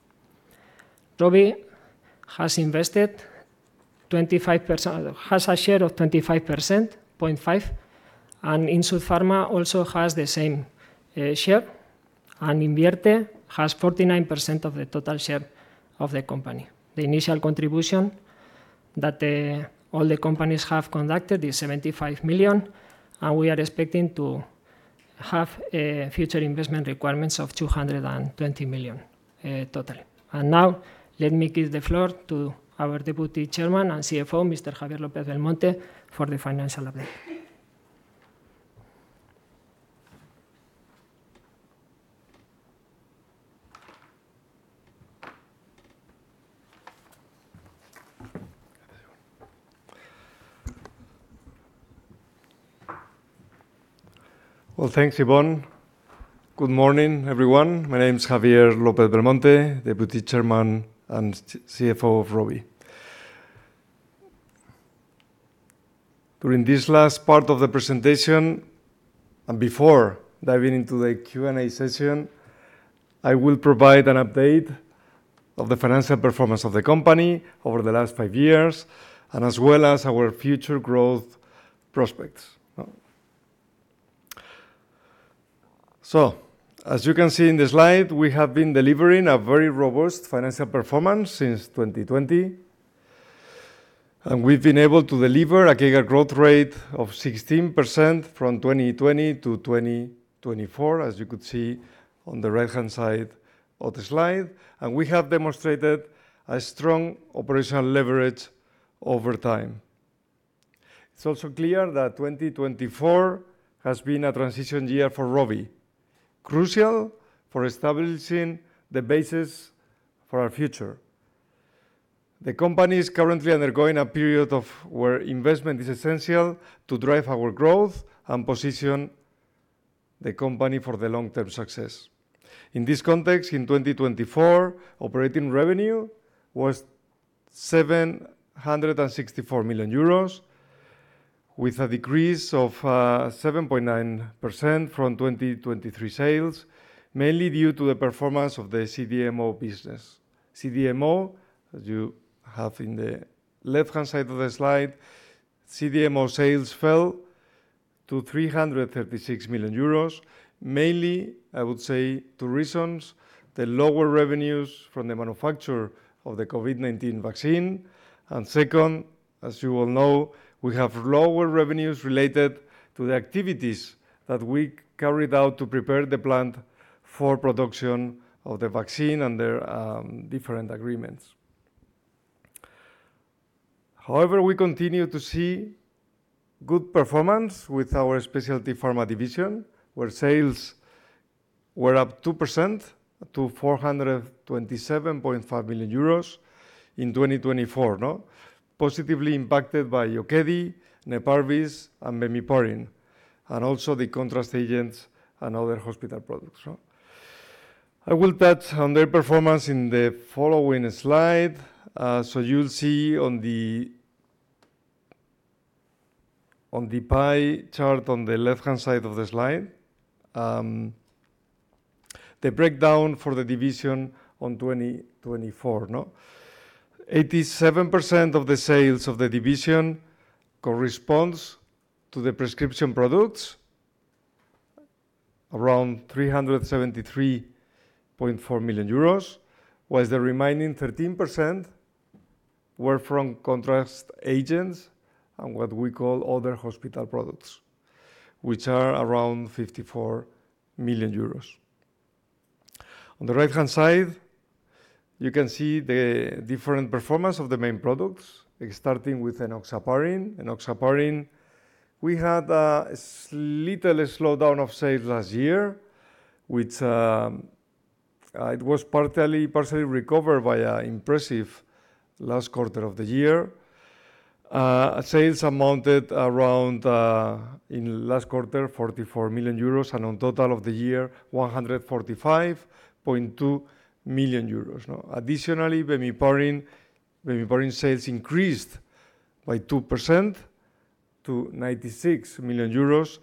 Rovi has a share of 25.5%, and Insud Pharma also has the same share, and Innvierte has 49% of the total share of the company. The initial contribution that all the companies have conducted is 75 million, and we are expecting to have future investment requirements of 220 million total. Now let me give the floor to our Deputy Chairman and CFO, Mr. Javier López-Belmonte, for the financial update. Well, thanks, Ibon. Good morning, everyone. My name is Javier López-Belmonte, Deputy Chairman and CFO of Rovi. During this last part of the presentation, and before diving into the Q&A session, I will provide an update of the financial performance of the company over the last five years and as well as our future growth prospects. As you can see in the slide, we have been delivering a very robust financial performance since 2020, and we've been able to deliver a CAGR growth rate of 16% from 2020 to 2024, as you could see on the right-hand side of the slide. We have demonstrated a strong operational leverage over time. It's also clear that 2024 has been a transition year for Rovi, crucial for establishing the basis for our future. The company is currently undergoing a period of where investment is essential to drive our growth and position the company for the long-term success. In this context, in 2024, operating revenue was 764 million euros, with a decrease of 7.9% from 2023 sales, mainly due to the performance of the CDMO business. CDMO, as you have in the left-hand side of the slide, CDMO sales fell to 336 million euros. Mainly, I would say two reasons: the lower revenues from the manufacture of the COVID-19 vaccine, and second, as you all know, we have lower revenues related to the activities that we carried out to prepare the plant for production of the vaccine and their different agreements. However, we continue to see good performance with our specialty pharma division, where sales were up 2% to 427.5 million euros in 2024, no? Positively impacted by Okedi, Neparvis, and bemiparin, and also the contrast agents and other hospital products, no? I will touch on their performance in the following slide. So you'll see on the pie chart on the left-hand side of the slide the breakdown for the division in 2024, no? 87% of the sales of the division corresponds to the prescription products, around 373.4 million euros, while the remaining 13% were from contrast agents and what we call other hospital products, which are around 54 million euros. On the right-hand side, you can see the different performance of the main products, starting with enoxaparin. Enoxaparin, we had a little slowdown of sales last year, which, it was partially recovered by an impressive last quarter of the year. Sales amounted to around in last quarter, 44 million euros, and in total of the year, 145.2 million euros, no? Additionally, bemiparin sales increased by 2% to 96 million euros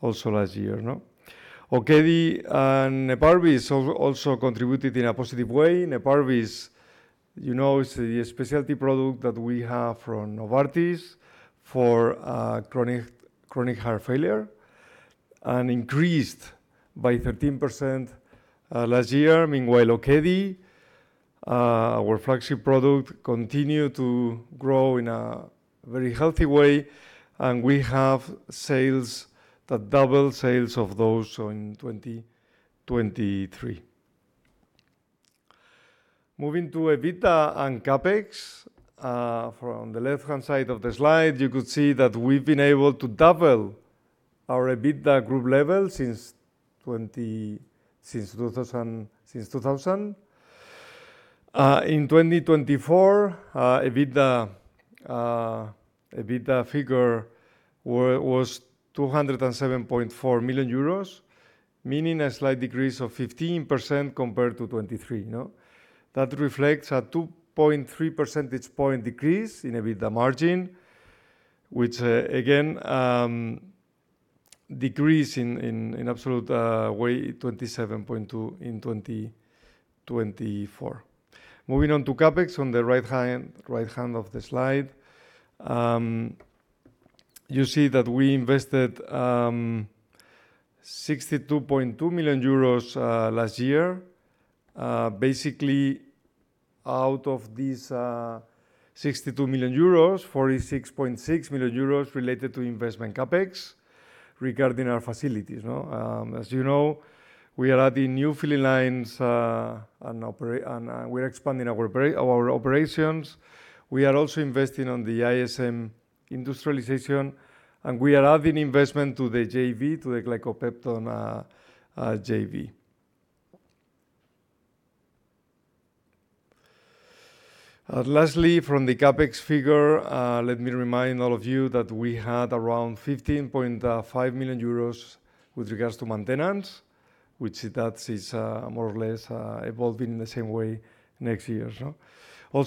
also last year, no? Okedi and Neparvis also contributed in a positive way. Neparvis, you know, is the specialty product that we have from Novartis for chronic heart failure and increased by 13% last year. Meanwhile, Okedi, our flagship product, continued to grow in a very healthy way, and we have sales that double sales of those in 2023. Moving to EBITDA and CapEx, from the left-hand side of the slide, you could see that we've been able to double our EBITDA group level since 2000. In 2024, EBITDA figure was 207.4 million euros, meaning a slight decrease of 15% compared to 2023, no? That reflects a 2.3 percentage point decrease in EBITDA margin, which again decrease in absolute way 27.2 in 2024. Moving on to CapEx on the right hand of the slide, you see that we invested 62.2 million euros last year. Basically out of these, 62 million euros, 46.6 million euros related to investment CapEx regarding our facilities, no? As you know, we are adding new filling lines, and we're expanding our operations. We are also investing on the ISM industrialization, and we are adding investment to the JV, to the Glicopepton JV. Lastly, from the CapEx figure, let me remind all of you that we had around 15.5 million euros with regards to maintenance, which is more or less evolving in the same way next years, no?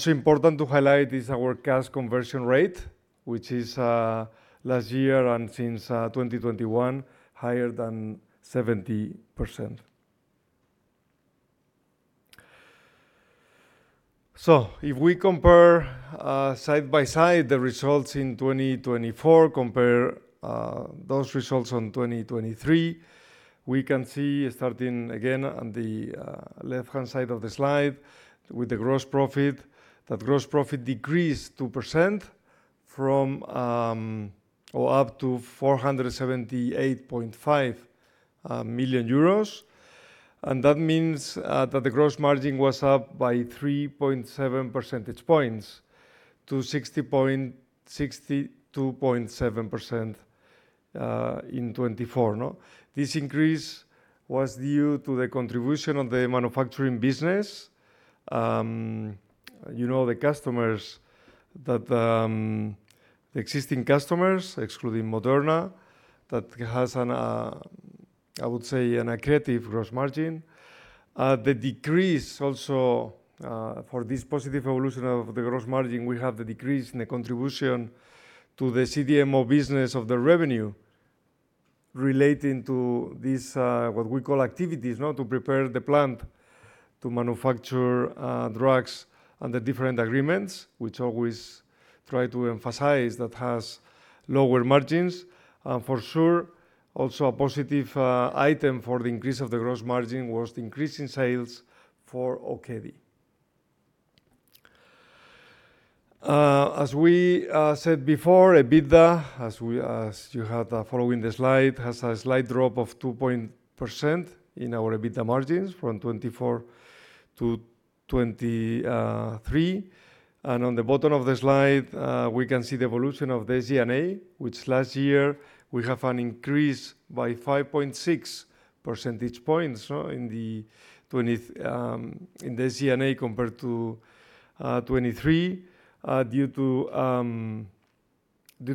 Important to highlight is our cash conversion rate, which last year and since 2021, higher than 70%. If we compare side by side the results in 2024 with those results to 2023, we can see, starting again on the left-hand side of the slide with the gross profit, that gross profit decreased 2% to 478.5 million euros. That means that the gross margin was up by 3.7 percentage points to 62.7% in 2024, no? This increase was due to the contribution of the manufacturing business. You know, the existing customers, excluding Moderna, that has, I would say, a negative gross margin. The decrease also, for this positive evolution of the gross margin, we have the decrease in the contribution to the CDMO business of the revenue relating to these, what we call activities, no? To prepare the plant to manufacture, drugs under different agreements, which always try to emphasize that has lower margins. For sure, also a positive item for the increase of the gross margin was the increase in sales for Okedi. As we said before, EBITDA, as you have following the slide, has a slight drop of 2% in our EBITDA margins from 2024 to 2023. On the bottom of the slide, we can see the evolution of the G&A, which last year we have an increase by 5.6 percentage points, no? In the G&A compared to 2023, due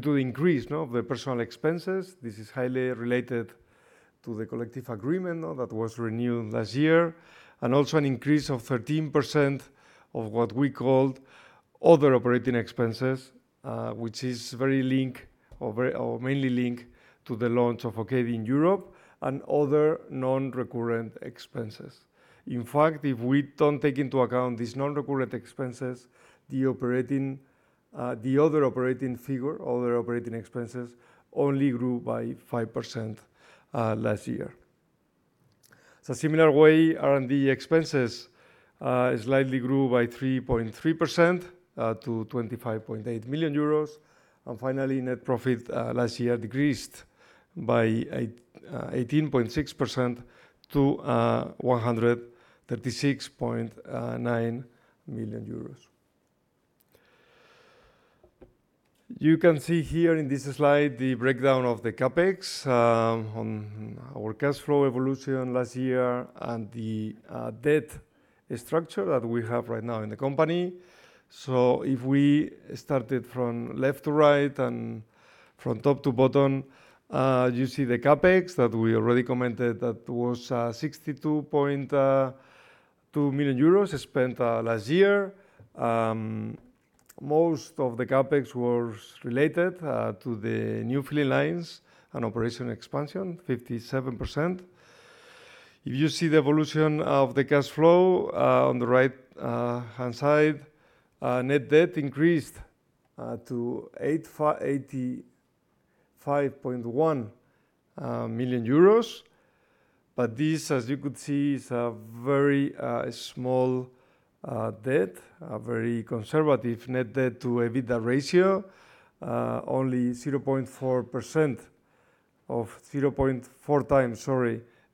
to increase of the personnel expenses. This is highly related to the collective agreement that was renewed last year. Also an increase of 13% of what we called other operating expenses, which is mainly linked to the launch of Okedi in Europe and other non-recurring expenses. In fact, if we don't take into account these non-recurring expenses, the other operating expenses only grew by 5% last year. Similar way, R&D expenses slightly grew by 3.3% to 25.8 million euros. Finally, net profit last year decreased by 18.6% to EUR 136.9 million. You can see here in this slide the breakdown of the CapEx on our cash flow evolution last year and the debt structure that we have right now in the company. If we started from left to right and from top to bottom, you see the CapEx that we already commented that was 62.2 million euros spent last year. Most of the CapEx was related to the new filling lines and operation expansion, 57%. If you see the evolution of the cash flow on the right-hand side, net debt increased to 85.1 million euros. This, as you could see, is a very small debt, a very conservative net debt to EBITDA ratio. Only 0.4x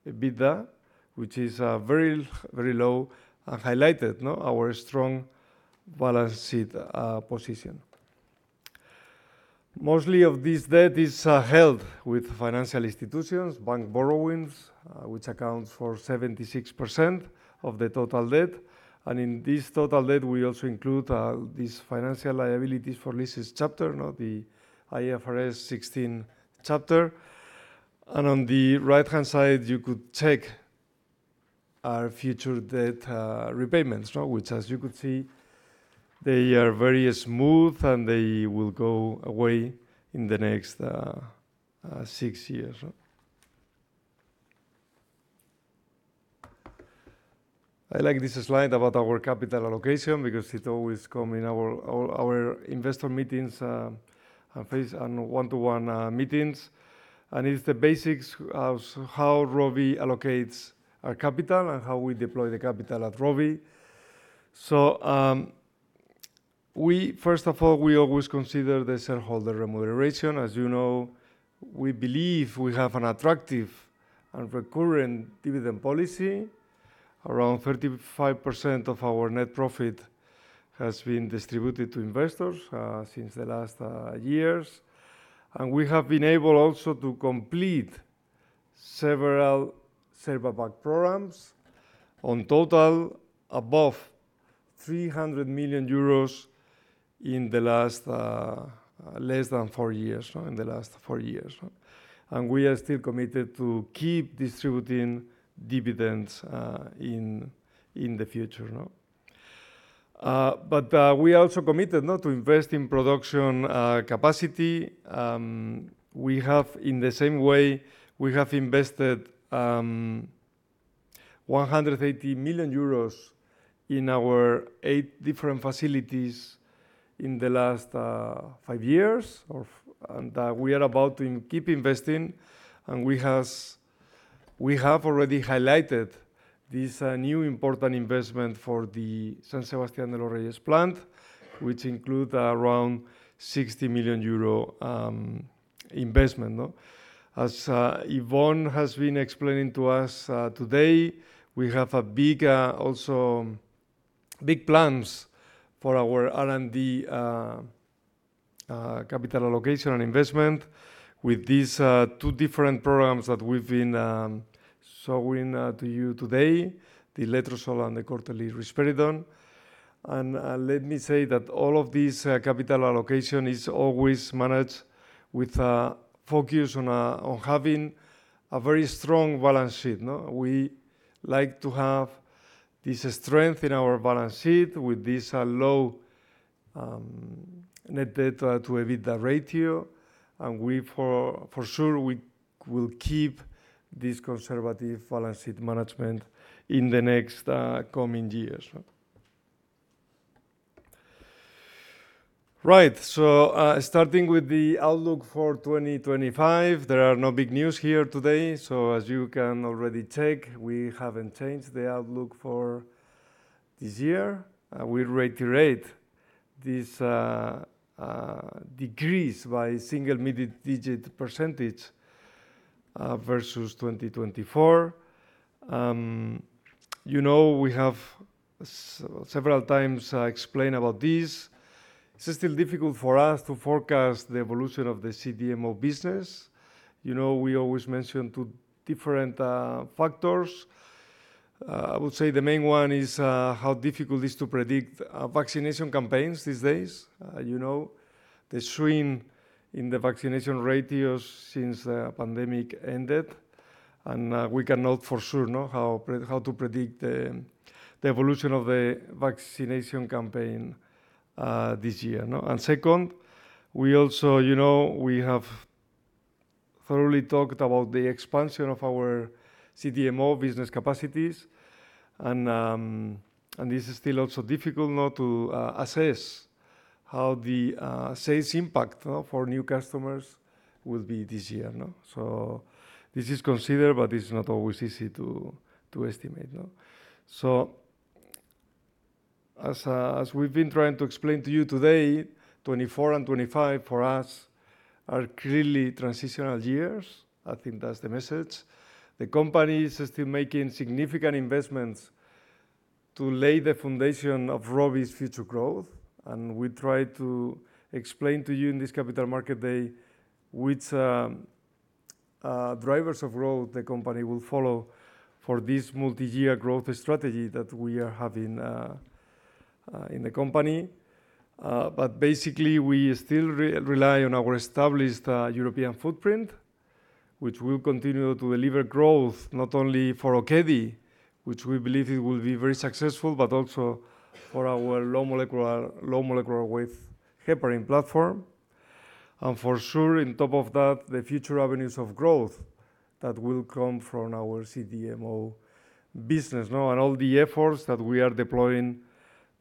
EBITDA, which is very low and highlights our strong balance sheet position. Most of this debt is held with financial institutions, bank borrowings, which accounts for 76% of the total debt. In this total debt, we also include these financial liabilities for leases, the IFRS 16. On the right-hand side, you could check our future debt repayments. Which as you could see, they are very smooth, and they will go away in the next six years. I like this slide about our capital allocation because it always comes in our all our investor meetings and face-to-face one-to-one meetings. It's the basics of how Rovi allocates our capital and how we deploy the capital at Rovi. We first of all always consider the shareholder remuneration. As you know, we believe we have an attractive and recurring dividend policy. Around 35% of our net profit has been distributed to investors since the last years. We have been able also to complete several share buyback programs. In total, above 300 million euros in the last four years. We are still committed to keep distributing dividends in the future. But we also committed to invest in production capacity. We have, in the same way, we have invested 180 million euros in our eight different facilities in the last five years. We are about to keep investing, and we have already highlighted this new important investment for the San Sebastián de los Reyes plant, which includes around 60 million euro investment, no? As Ibon has been explaining to us today, we have big, also big plans for our R&D capital allocation and investment with these two different programs that we've been showing to you today, the Letrozole and the Quarterly Risperidone. Let me say that all of this capital allocation is always managed with a focus on having a very strong balance sheet, no? We like to have this strength in our balance sheet with this low net debt to EBITDA ratio. We for sure will keep this conservative balance sheet management in the next coming years, no? Right. starting with the outlook for 2025, there are no big news here today. as you can already check, we haven't changed the outlook for this year. we reiterate this decrease by single mid-digit percentage versus 2024. you know, we have several times explained about this. It's still difficult for us to forecast the evolution of the CDMO business. You know, we always mention two different factors. I would say the main one is how difficult it is to predict vaccination campaigns these days. You know, the swing in the vaccination ratios since the pandemic ended. We cannot for sure know how to predict the evolution of the vaccination campaign this year, no? Second, we also, you know, we have thoroughly talked about the expansion of our CDMO business capacities and this is still also difficult, no, to assess how the sales impact for new customers will be this year, no? This is considered, but it's not always easy to estimate, no? As we've been trying to explain to you today, 2024 and 2025 for us are clearly transitional years. I think that's the message. The company is still making significant investments to lay the foundation of Rovi's future growth, and we try to explain to you in this Capital Market Day which drivers of growth the company will follow for this multi-year growth strategy that we are having in the company. Basically we still rely on our established European footprint, which will continue to deliver growth not only for Okedi, which we believe it will be very successful, but also for our low molecular weight heparin platform. For sure, on top of that, the future avenues of growth that will come from our CDMO business, no? All the efforts that we are deploying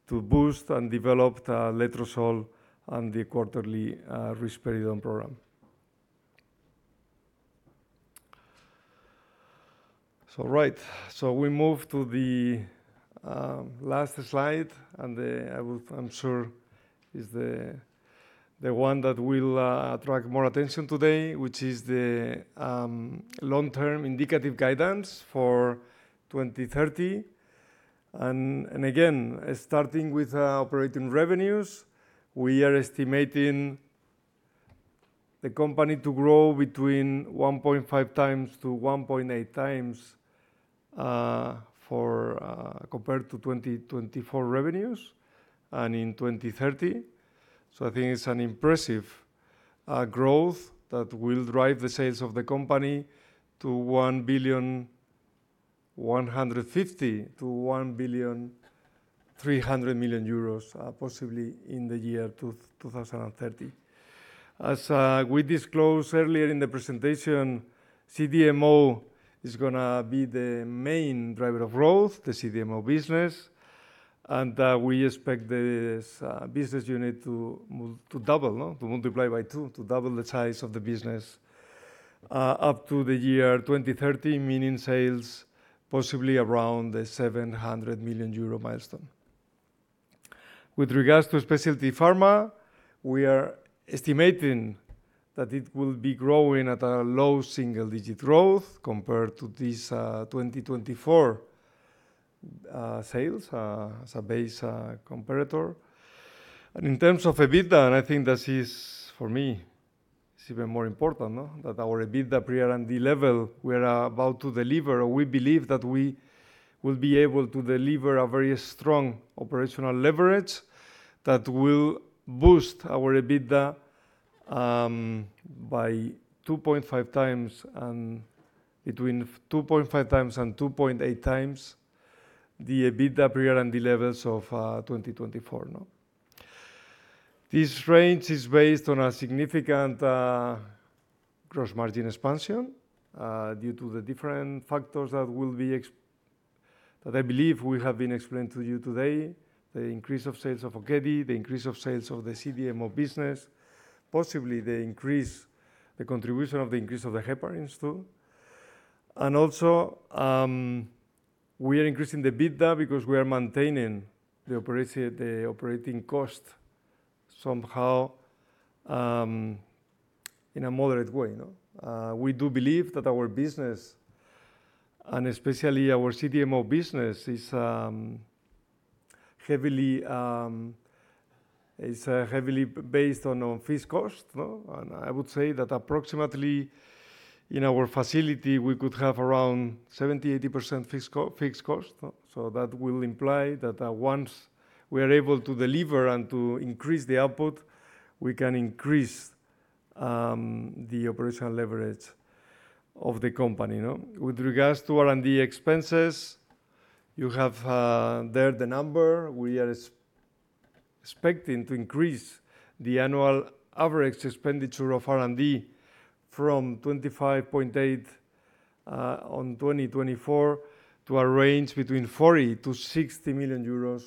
to boost and develop the Letrozole and the Quarterly Risperidone program. Right. We move to the last slide, and the one that I'm sure will attract more attention today, which is the long-term indicative guidance for 2030. Again, starting with our operating revenues, we are estimating the company to grow between 1.5x-1.8x compared to 2024 revenues and in 2030. I think it's an impressive growth that will drive the sales of the company to 1.15 billion-1.3 billion possibly in the year 2030. As we disclosed earlier in the presentation, CDMO is gonna be the main driver of growth, the CDMO business, and we expect this business unit to double, no? To multiply by two, to double the size of the business, up to the year 2030, meaning sales possibly around the 700 million euro milestone. With regards to specialty pharma, we are estimating that it will be growing at a low single-digit growth compared to this, 2024 sales as a base comparator. In terms of EBITDA, I think this is, for me, even more important, no? That our EBITDA pre-R&D level we're about to deliver, we believe that we will be able to deliver a very strong operational leverage that will boost our EBITDA by 2.5x, and between 2.5x and 2.8x the EBITDA pre-R&D levels of 2024, no? This range is based on a significant gross margin expansion due to the different factors that I believe we have been explaining to you today. The increase of sales of Okedi, the increase of sales of the CDMO business, possibly the contribution of the increase of the heparins too. Also, we are increasing the EBITDA because we are maintaining the operating cost somehow in a moderate way, no? We do believe that our business, and especially our CDMO business, is heavily based on fixed cost, no? I would say that approximately in our facility, we could have around 70%-80% fixed cost, no? That will imply that once we are able to deliver and to increase the output, we can increase the operational leverage of the company, no? With regards to R&D expenses, you have there the number. We are expecting to increase the annual average expenditure of R&D from 25.8 in 2024 to a range between 40 million-60 million euros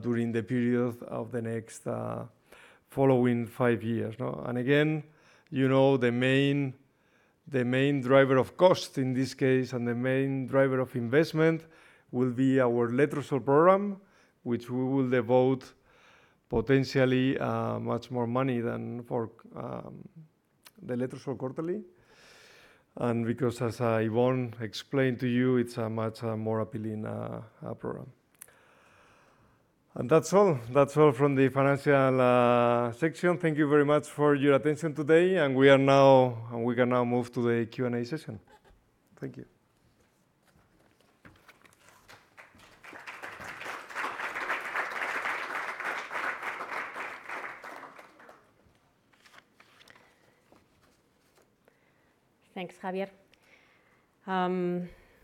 during the period of the following five years, no? Again, you know, the main driver of cost in this case, and the main driver of investment will be our letrozole program, which we will devote potentially much more money than for the latter for quarterly, and because as Ibon explained to you, it's a much more appealing program. That's all. That's all from the financial section. Thank you very much for your attention today, and we can now move to the Q&A session. Thank you. Thanks, Javier.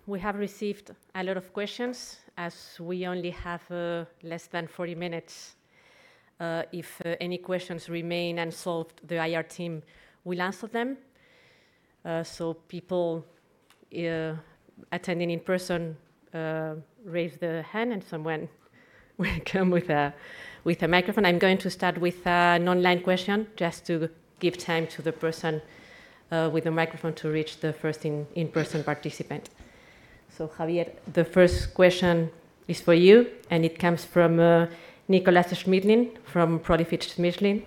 We have received a lot of questions. As we only have less than 40 minutes, if any questions remain unsolved, the IR team will answer them. People attending in person, raise their hand and someone will come with a microphone. I'm going to start with an online question just to give time to the person with the microphone to reach the first in-person participant. Javier, the first question is for you and it comes from Nicholas Schmidlin from Profitlich Schmidlin.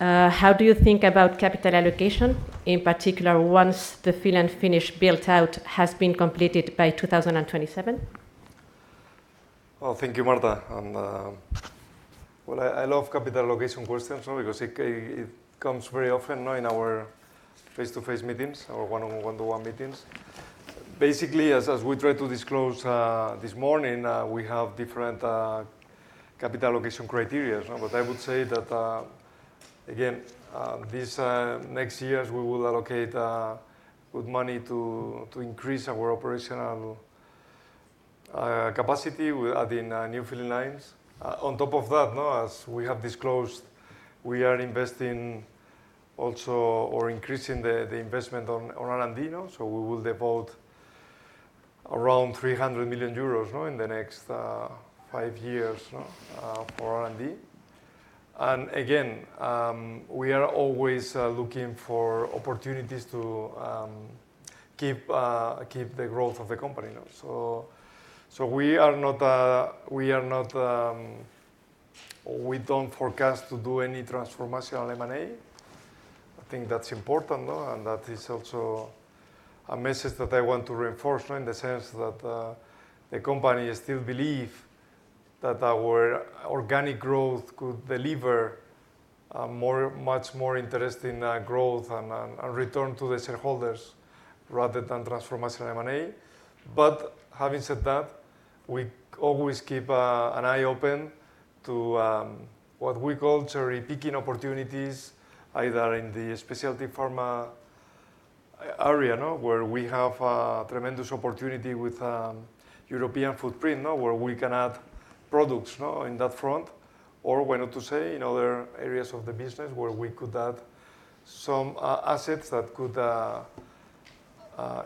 How do you think about capital allocation, in particular once the fill and finish built out has been completed by 2027? Oh, thank you, Marta. Well, I love capital allocation questions because it comes very often, you know, in our face-to-face meetings or one-on-one, one-to-one meetings. Basically, we tried to disclose this morning, we have different capital allocation criteria. I would say that again, these next years we will allocate good money to increase our operational capacity. We're adding new filling lines. On top of that now, as we have disclosed, we are investing also or increasing the investment on R&D now, so we will devote around 300 million euros now in the next five years, you know, for R&D. Again, we are always looking for opportunities to keep the growth of the company. We don't forecast to do any transformational M&A. I think that's important, and that is also a message that I want to reinforce in the sense that the company still believe that our organic growth could deliver much more interesting growth and return to the shareholders rather than transformational M&A. Having said that, we always keep an eye open to what we call cherry-picking opportunities, either in the specialty pharma area, you know, where we have a tremendous opportunity with European footprint now, where we can add products now in that front, or why not to say in other areas of the business where we could add some assets that could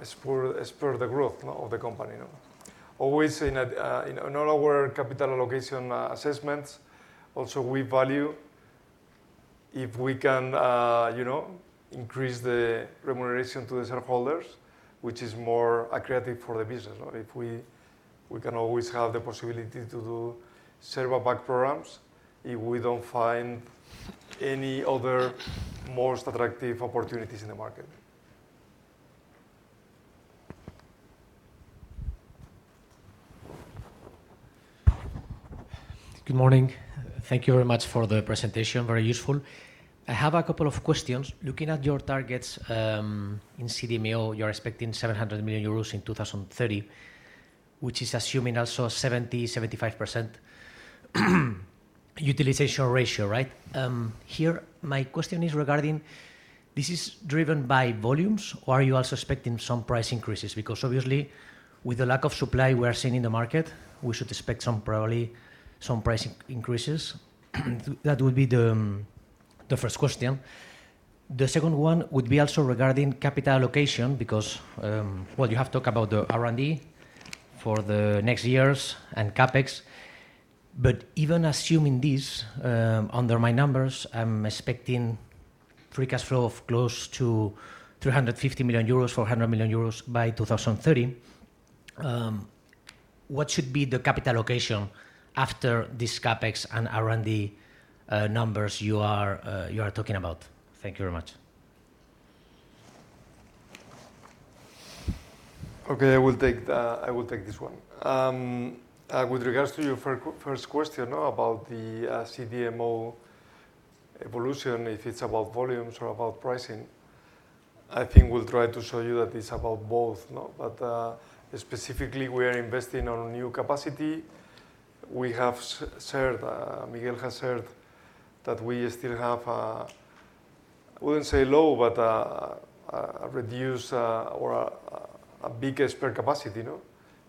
spur the growth of the company, you know. Always in all our capital allocation assessments, also we value if we can, you know, increase the remuneration to the shareholders, which is more accretive for the business. If we can always have the possibility to do share buyback programs if we don't find any other more attractive opportunities in the market. Good morning. Thank you very much for the presentation. Very useful. I have a couple of questions. Looking at your targets in CDMO, you're expecting 700 million euros in 2030, which is assuming also 75% utilization ratio, right? Here my question is regarding this is driven by volumes or are you also expecting some price increases? Because obviously with the lack of supply we are seeing in the market, we should expect some probably some price increases. That would be the first question. The second one would be also regarding capital allocation because, well, you have talked about the R&D for the next years and CapEx, but even assuming this, under my numbers, I'm expecting free cash flow of close to 350 million euros, 400 million euros by 2030. What should be the capital allocation after this CapEx and R&D numbers you are talking about? Thank you very much. Okay. I will take this one. With regards to your first question now about the CDMO evolution, if it's about volumes or about pricing, I think we'll try to show you that it's about both. No, but specifically we are investing on new capacity. We have, Miguel has said that we still have, I wouldn't say low, but a reduced or a big spare capacity, you know,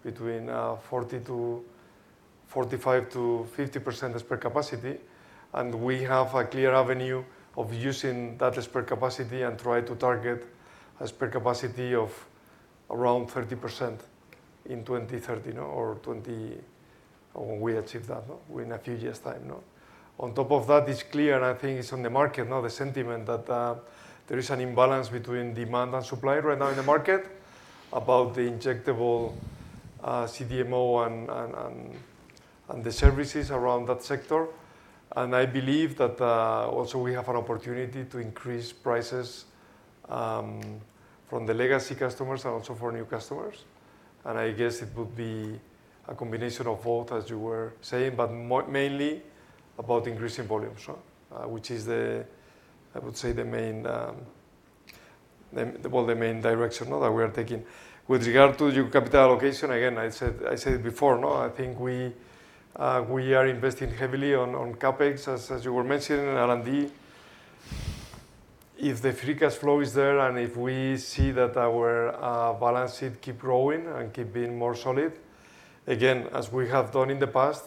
between 40% to 45% to 50% spare capacity. We have a clear avenue of using that spare capacity and try to target a spare capacity of around 30% in 2030 when we achieve that, in a few years' time. On top of that, it's clear, and I think it's on the market now, the sentiment that there is an imbalance between demand and supply right now in the market about the injectable CDMO and the services around that sector. I believe that also we have an opportunity to increase prices from the legacy customers and also for new customers. I guess it would be a combination of both, as you were saying, but mainly about increasing volumes, which is, I would say, the main direction that we are taking. With regard to your capital allocation, again, I said it before, I think we are investing heavily on CapEx, as you were mentioning, and R&D. If the free cash flow is there, and if we see that our balance sheet keep growing and keep being more solid, again, as we have done in the past,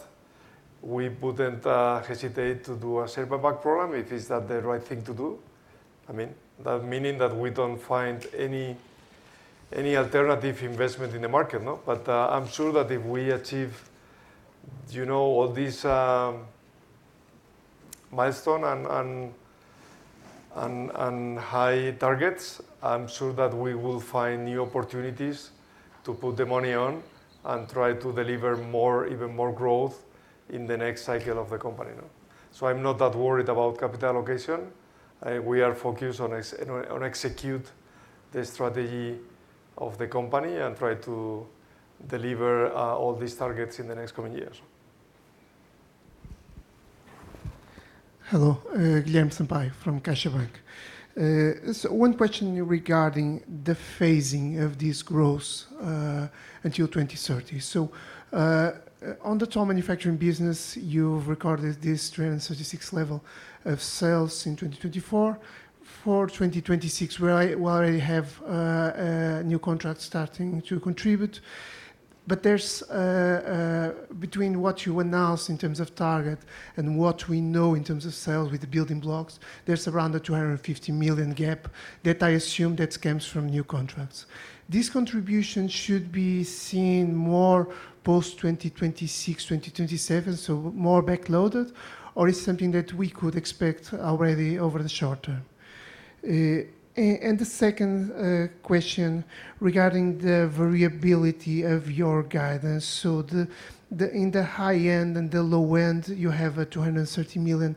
we wouldn't hesitate to do a share buyback program if is that the right thing to do. I mean, that meaning that we don't find any alternative investment in the market, no? I'm sure that if we achieve, you know, all these milestone and high targets, I'm sure that we will find new opportunities to put the money on and try to deliver more, even more growth in the next cycle of the company now. I'm not that worried about capital allocation. We are focused on executing the strategy of the company and try to deliver all these targets in the next coming years. Hello. Guillaume Sampaio from CaixaBank. One question regarding the phasing of this growth until 2030. On the toll manufacturing business, you've recorded this 336 level of sales in 2024. For 2026, where I have new contracts starting to contribute. There's between what you announced in terms of target and what we know in terms of sales with the building blocks around a 250 million gap that I assume comes from new contracts. This contribution should be seen more post-2026, 2027, so more backloaded, or is something that we could expect already over the short term? And the second question regarding the variability of your guidance. In the high end and the low end, you have a 230 million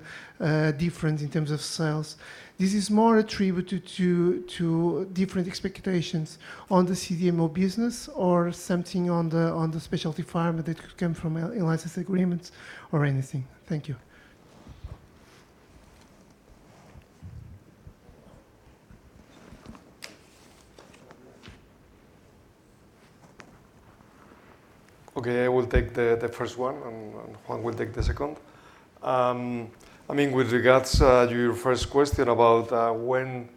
difference in terms of sales. This is more attributed to different expectations on the CDMO business or something on the specialty pharma that could come from license agreements or anything? Thank you. Okay, I will take the first one and Juan will take the second. I mean, with regards to your first question about when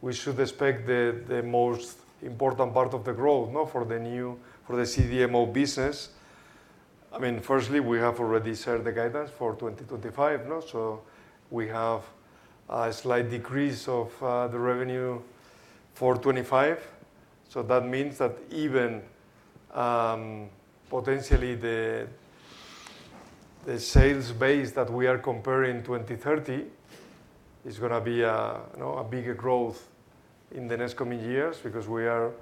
we should expect the most important part of the growth, no, for the CDMO business. I mean, firstly, we have already shared the guidance for 2025, no? So we have a slight decrease of the revenue for 2025. So that means that even potentially the sales base that we are comparing 2030 is gonna be a, you know, a bigger growth in the next coming years because we are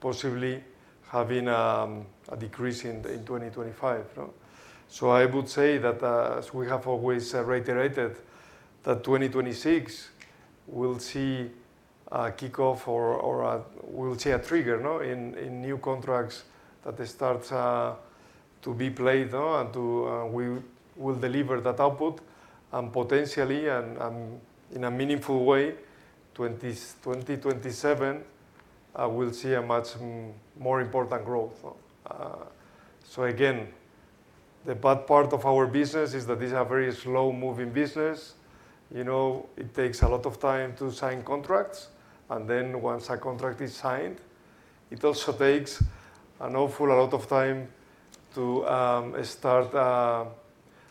possibly having a decrease in 2025, no? I would say that, as we have always reiterated, 2026 we'll see a kickoff or a trigger in new contracts that they start to be paid out to, we will deliver that output, potentially and in a meaningful way. 2027 we'll see a much more important growth. Again, the bad part of our business is that these are very slow-moving business. You know, it takes a lot of time to sign contracts, and then once a contract is signed, it also takes an awful lot of time to start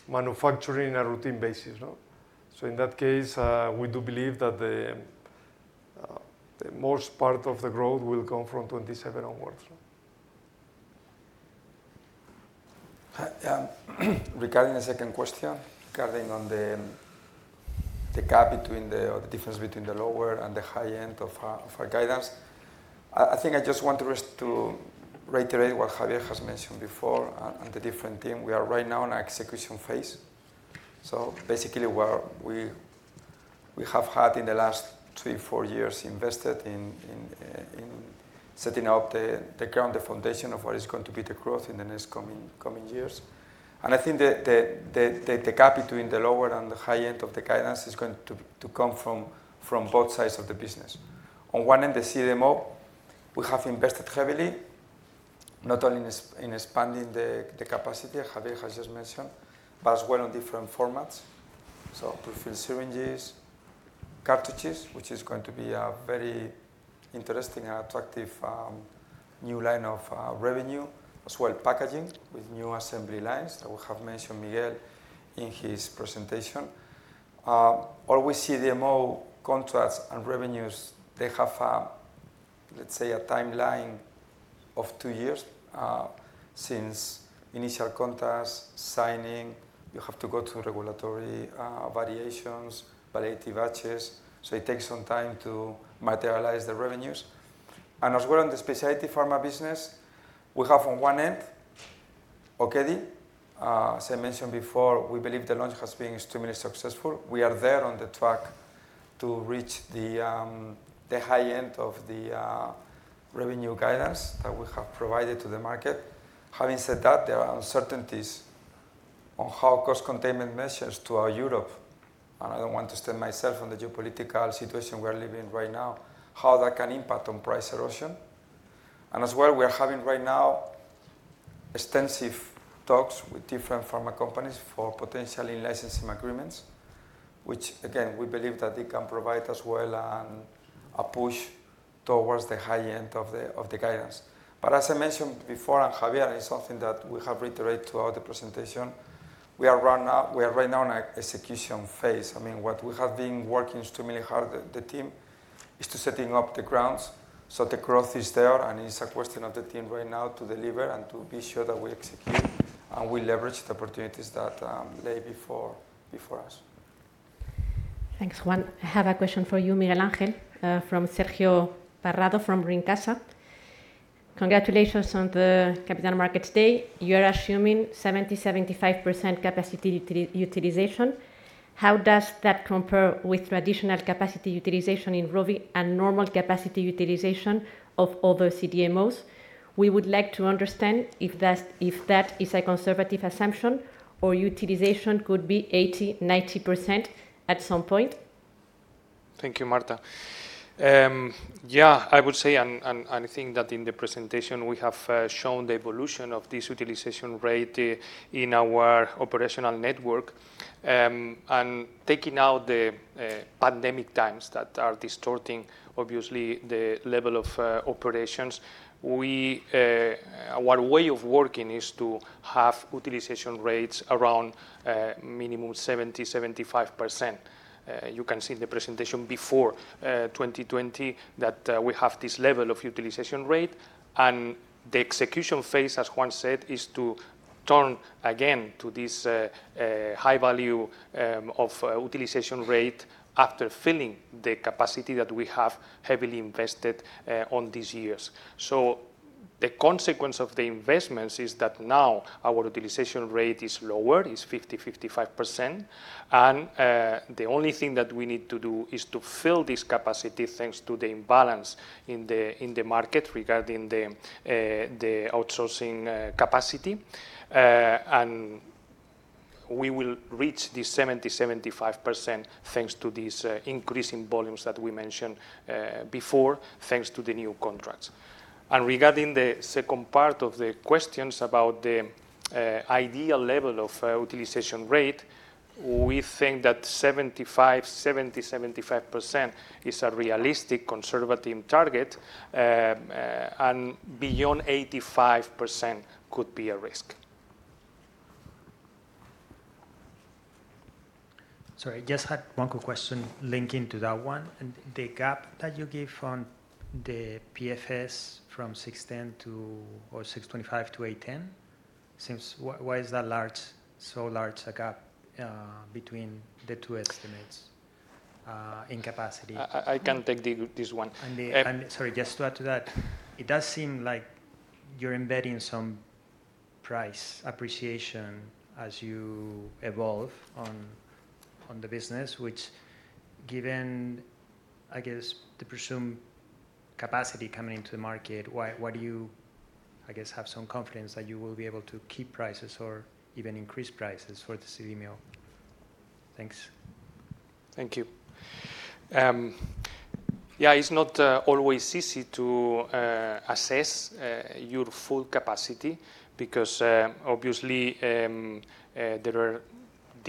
manufacturing on a routine basis, no? In that case, we do believe that the most part of the growth will come from 2027 onwards, no. Regarding the second question on the gap between or the difference between the lower and the high end of our guidance, I think I just want to reiterate what Javier has mentioned before on the different thing. We are right now in execution phase. Basically what we have had in the last three, four years invested in setting up the ground, the foundation of what is going to be the growth in the next coming years. I think the gap between the lower and the high end of the guidance is going to come from both sides of the business. On one end, the CDMO, we have invested heavily, not only in expanding the capacity, as Javier has just mentioned, but as well on different formats. Prefilled syringes, cartridges, which is going to be a very interesting and attractive new line of revenue. As well, packaging with new assembly lines that we have mentioned, Miguel, in his presentation. All we see, the more contracts and revenues, they have a, let's say, a timeline of two years since initial contract signing. You have to go through regulatory variations, validation batches, so it takes some time to materialize the revenues. As well on the specialty pharma business, we have on one end Okedi. As I mentioned before, we believe the launch has been extremely successful. We are there on the track to reach the high end of the revenue guidance that we have provided to the market. Having said that, there are uncertainties on how cost containment measures in Europe, and I don't want to extend myself on the geopolitical situation we are living right now, how that can impact on price erosion. As well, we are having right now extensive talks with different pharma companies for potentially licensing agreements, which again, we believe that it can provide as well, a push towards the high end of the guidance. As I mentioned before, and Javier, it's something that we have reiterated throughout the presentation, we are right now in an execution phase. I mean, what we have been working extremely hard with the team is to setting up the grounds so the growth is there, and it's a question of the team right now to deliver and to be sure that we execute and we leverage the opportunities that lay before us. Thanks, Juan. I have a question for you, Miguel Ángel, from Sergio Parrado from Brincasa. Congratulations on the Capital Markets Day. You're assuming 70%-75% capacity utilization. How does that compare with traditional capacity utilization in Rovi and normal capacity utilization of other CDMOs? We would like to understand if that is a conservative assumption or utilization could be 80%-90% at some point. Thank you, Marta. I would say I think that in the presentation we have shown the evolution of this utilization rate in our operational network. Taking out the pandemic times that are distorting obviously the level of operations, we our way of working is to have utilization rates around minimum 75%. You can see in the presentation before 2020 that we have this level of utilization rate and the execution phase, as Juan said, is to turn again to this high value of utilization rate after filling the capacity that we have heavily invested on these years. The consequence of the investments is that now our utilization rate is lower, 50%-55%, and the only thing that we need to do is to fill this capacity thanks to the imbalance in the market regarding the outsourcing capacity. We will reach the 70%-75% thanks to these increasing volumes that we mentioned before, thanks to the new contracts. Regarding the second part of the questions about the ideal level of utilization rate, we think that 70%-75% is a realistic conservative target, and beyond 85% could be a risk. Sorry, I just had one quick question linking to that one. The gap that you gave on the PFS from 610 to or 625 to 810 seems. Why is that so large a gap between the two estimates in capacity? I can take this one. Sorry, just to add to that, it does seem like you're embedding some price appreciation as you evolve on the business, which, given, I guess, the presumed capacity coming into the market, why do you, I guess, have some confidence that you will be able to keep prices or even increase prices for the CDMO? Thanks. Thank you. Yeah, it's not always easy to assess your full capacity because obviously there are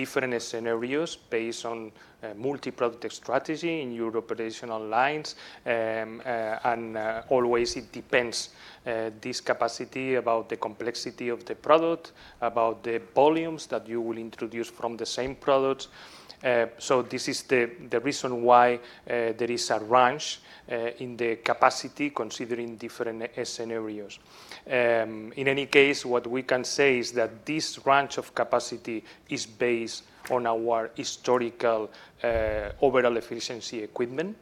different scenarios based on multi-product strategy in your operational lines. It always depends, this capacity, about the complexity of the product, about the volumes that you will introduce from the same products. This is the reason why there is a range in the capacity considering different scenarios. In any case, what we can say is that this range of capacity is based on our historical overall efficiency equipment,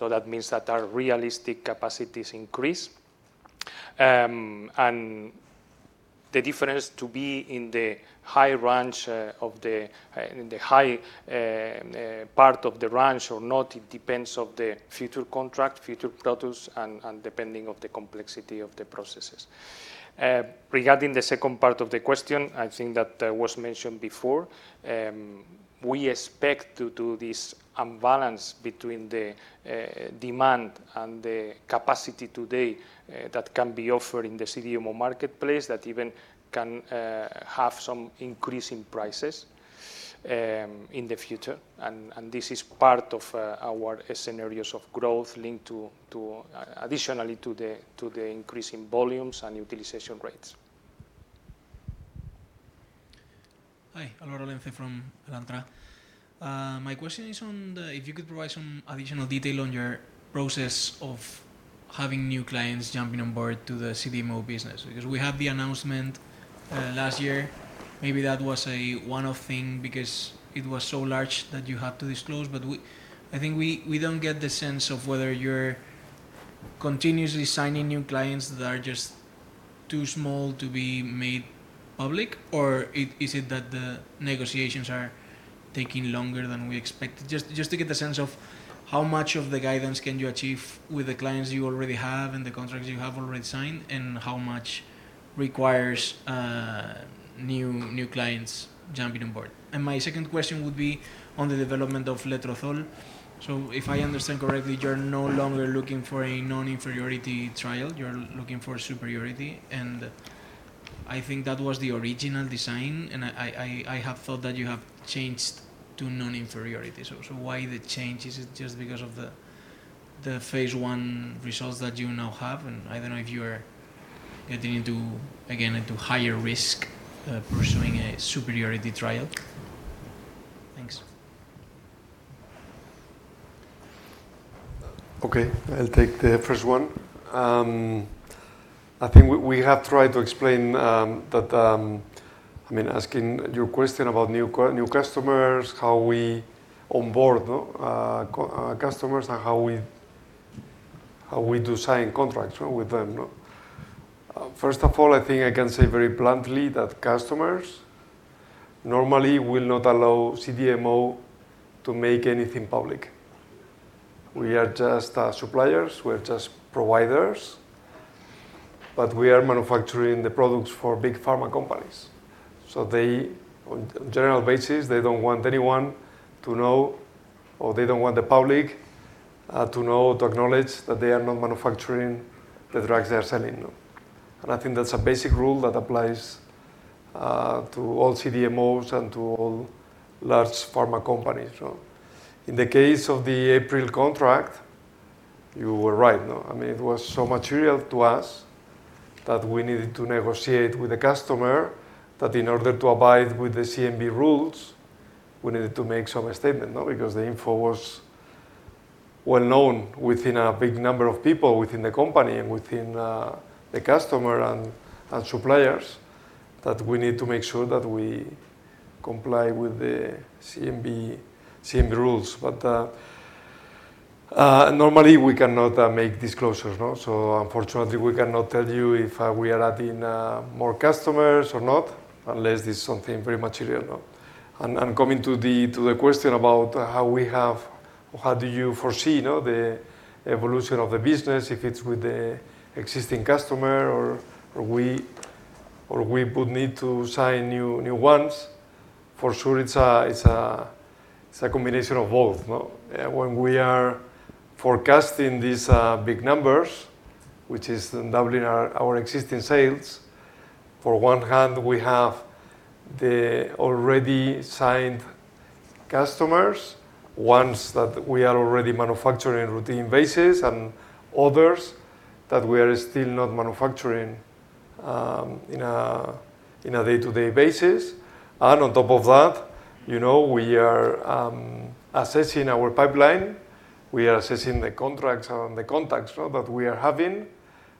that means that our realistic capacities increase. The difference to be in the high part of the range or not, it depends of the future contract, future products and depending of the complexity of the processes. Regarding the second part of the question, I think that was mentioned before, we expect due to this imbalance between the demand and the capacity today that can be offered in the CDMO marketplace, that even can have some increase in prices in the future. This is part of our scenarios of growth linked to additionally to the increase in volumes and utilization rates. Hi. Álvaro Lenze from Alantra. My question is on if you could provide some additional detail on your process of having new clients jumping on board to the CDMO business. Because we had the announcement last year, maybe that was a one-off thing because it was so large that you had to disclose. But we, I think, don't get the sense of whether you're Continuously signing new clients that are just too small to be made public? Or is it that the negotiations are taking longer than we expected? Just to get the sense of how much of the guidance can you achieve with the clients you already have and the contracts you have already signed, and how much requires new clients jumping on board. My second question would be on the development of letrozole. So if I understand correctly, you're no longer looking for a non-inferiority trial, you're looking for superiority. I think that was the original design, and I have thought that you have changed to non-inferiority. So why the change? Is it just because of the phase I results that you now have? I don't know if you are getting into higher risk pursuing a superiority trial. Thanks. Okay, I'll take the first one. I think we have tried to explain that. I mean, asking your question about new customers, how we onboard customers and how we do sign contracts, you know, with them. First of all, I think I can say very bluntly that customers normally will not allow CDMO to make anything public. We are just suppliers, we're just providers, but we are manufacturing the products for big pharma companies. So they, on general basis, they don't want anyone to know or they don't want the public to know, to acknowledge that they are not manufacturing the drugs they are selling. I think that's a basic rule that applies to all CDMOs and to all large pharma companies, you know. In the case of the April contract, you were right, you know. I mean, it was so material to us that we needed to negotiate with the customer that in order to abide with the CNMV rules, we needed to make some statement, you know. Because the info was well-known within a big number of people within the company and within the customer and suppliers, that we need to make sure that we comply with the CNMV rules. Normally we cannot make disclosures, you know. Unfortunately, we cannot tell you if we are adding more customers or not, unless there's something very material. Coming to the question about how we have... How do you foresee, you know, the evolution of the business, if it's with the existing customer or we would need to sign new ones? For sure it's a combination of both, you know. When we are forecasting these big numbers, which is doubling our existing sales, on the one hand we have the already signed customers, ones that we are already manufacturing on a routine basis, and others that we are still not manufacturing on a day-to-day basis. On top of that, you know, we are assessing our pipeline, we are assessing the contracts and the contacts, you know, that we are having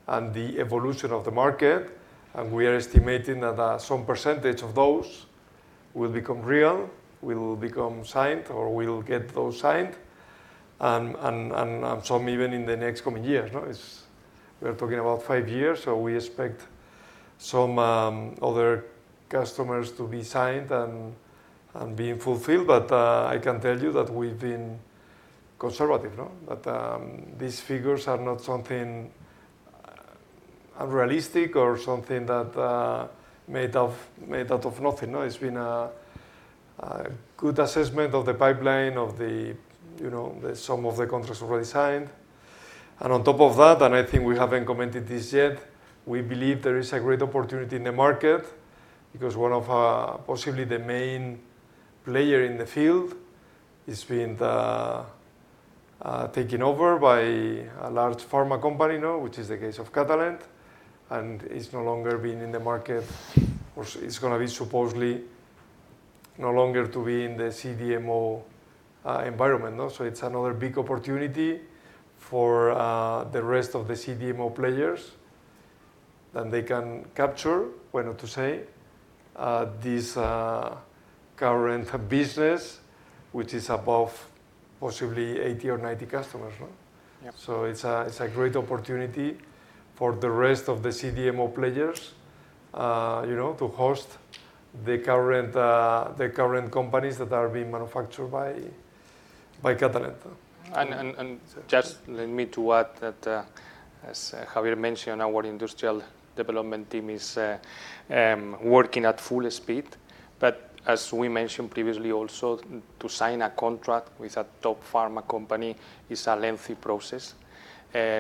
and the evolution of the market, and we are estimating that some percentage of those will become real, will become signed, or we'll get those signed, and some even in the next coming years. You know, it's. We're talking about five years, so we expect some other customers to be signed and being fulfilled. I can tell you that we've been conservative, you know, that these figures are not something unrealistic or something that made out of nothing. You know, it's been a good assessment of the pipeline, of you know the sum of the contracts already signed. And on top of that, I think we haven't commented this yet, we believe there is a great opportunity in the market because one of possibly the main player in the field is being taken over by a large pharma company now, which is the case of Catalent, and is no longer being in the market or is gonna be supposedly no longer to be in the CDMO environment, you know. It's another big opportunity for the rest of the CDMO players, and they can capture, why not to say, this current business, which is above possibly 80 or 90 customers, you know. Yeah. It's a great opportunity for the rest of the CDMO players, you know, to host the current companies that are being manufactured by Catalent. Just let me to add that, as Javier mentioned, our industrial development team is working at full speed. As we mentioned previously also, to sign a contract with a top pharma company is a lengthy process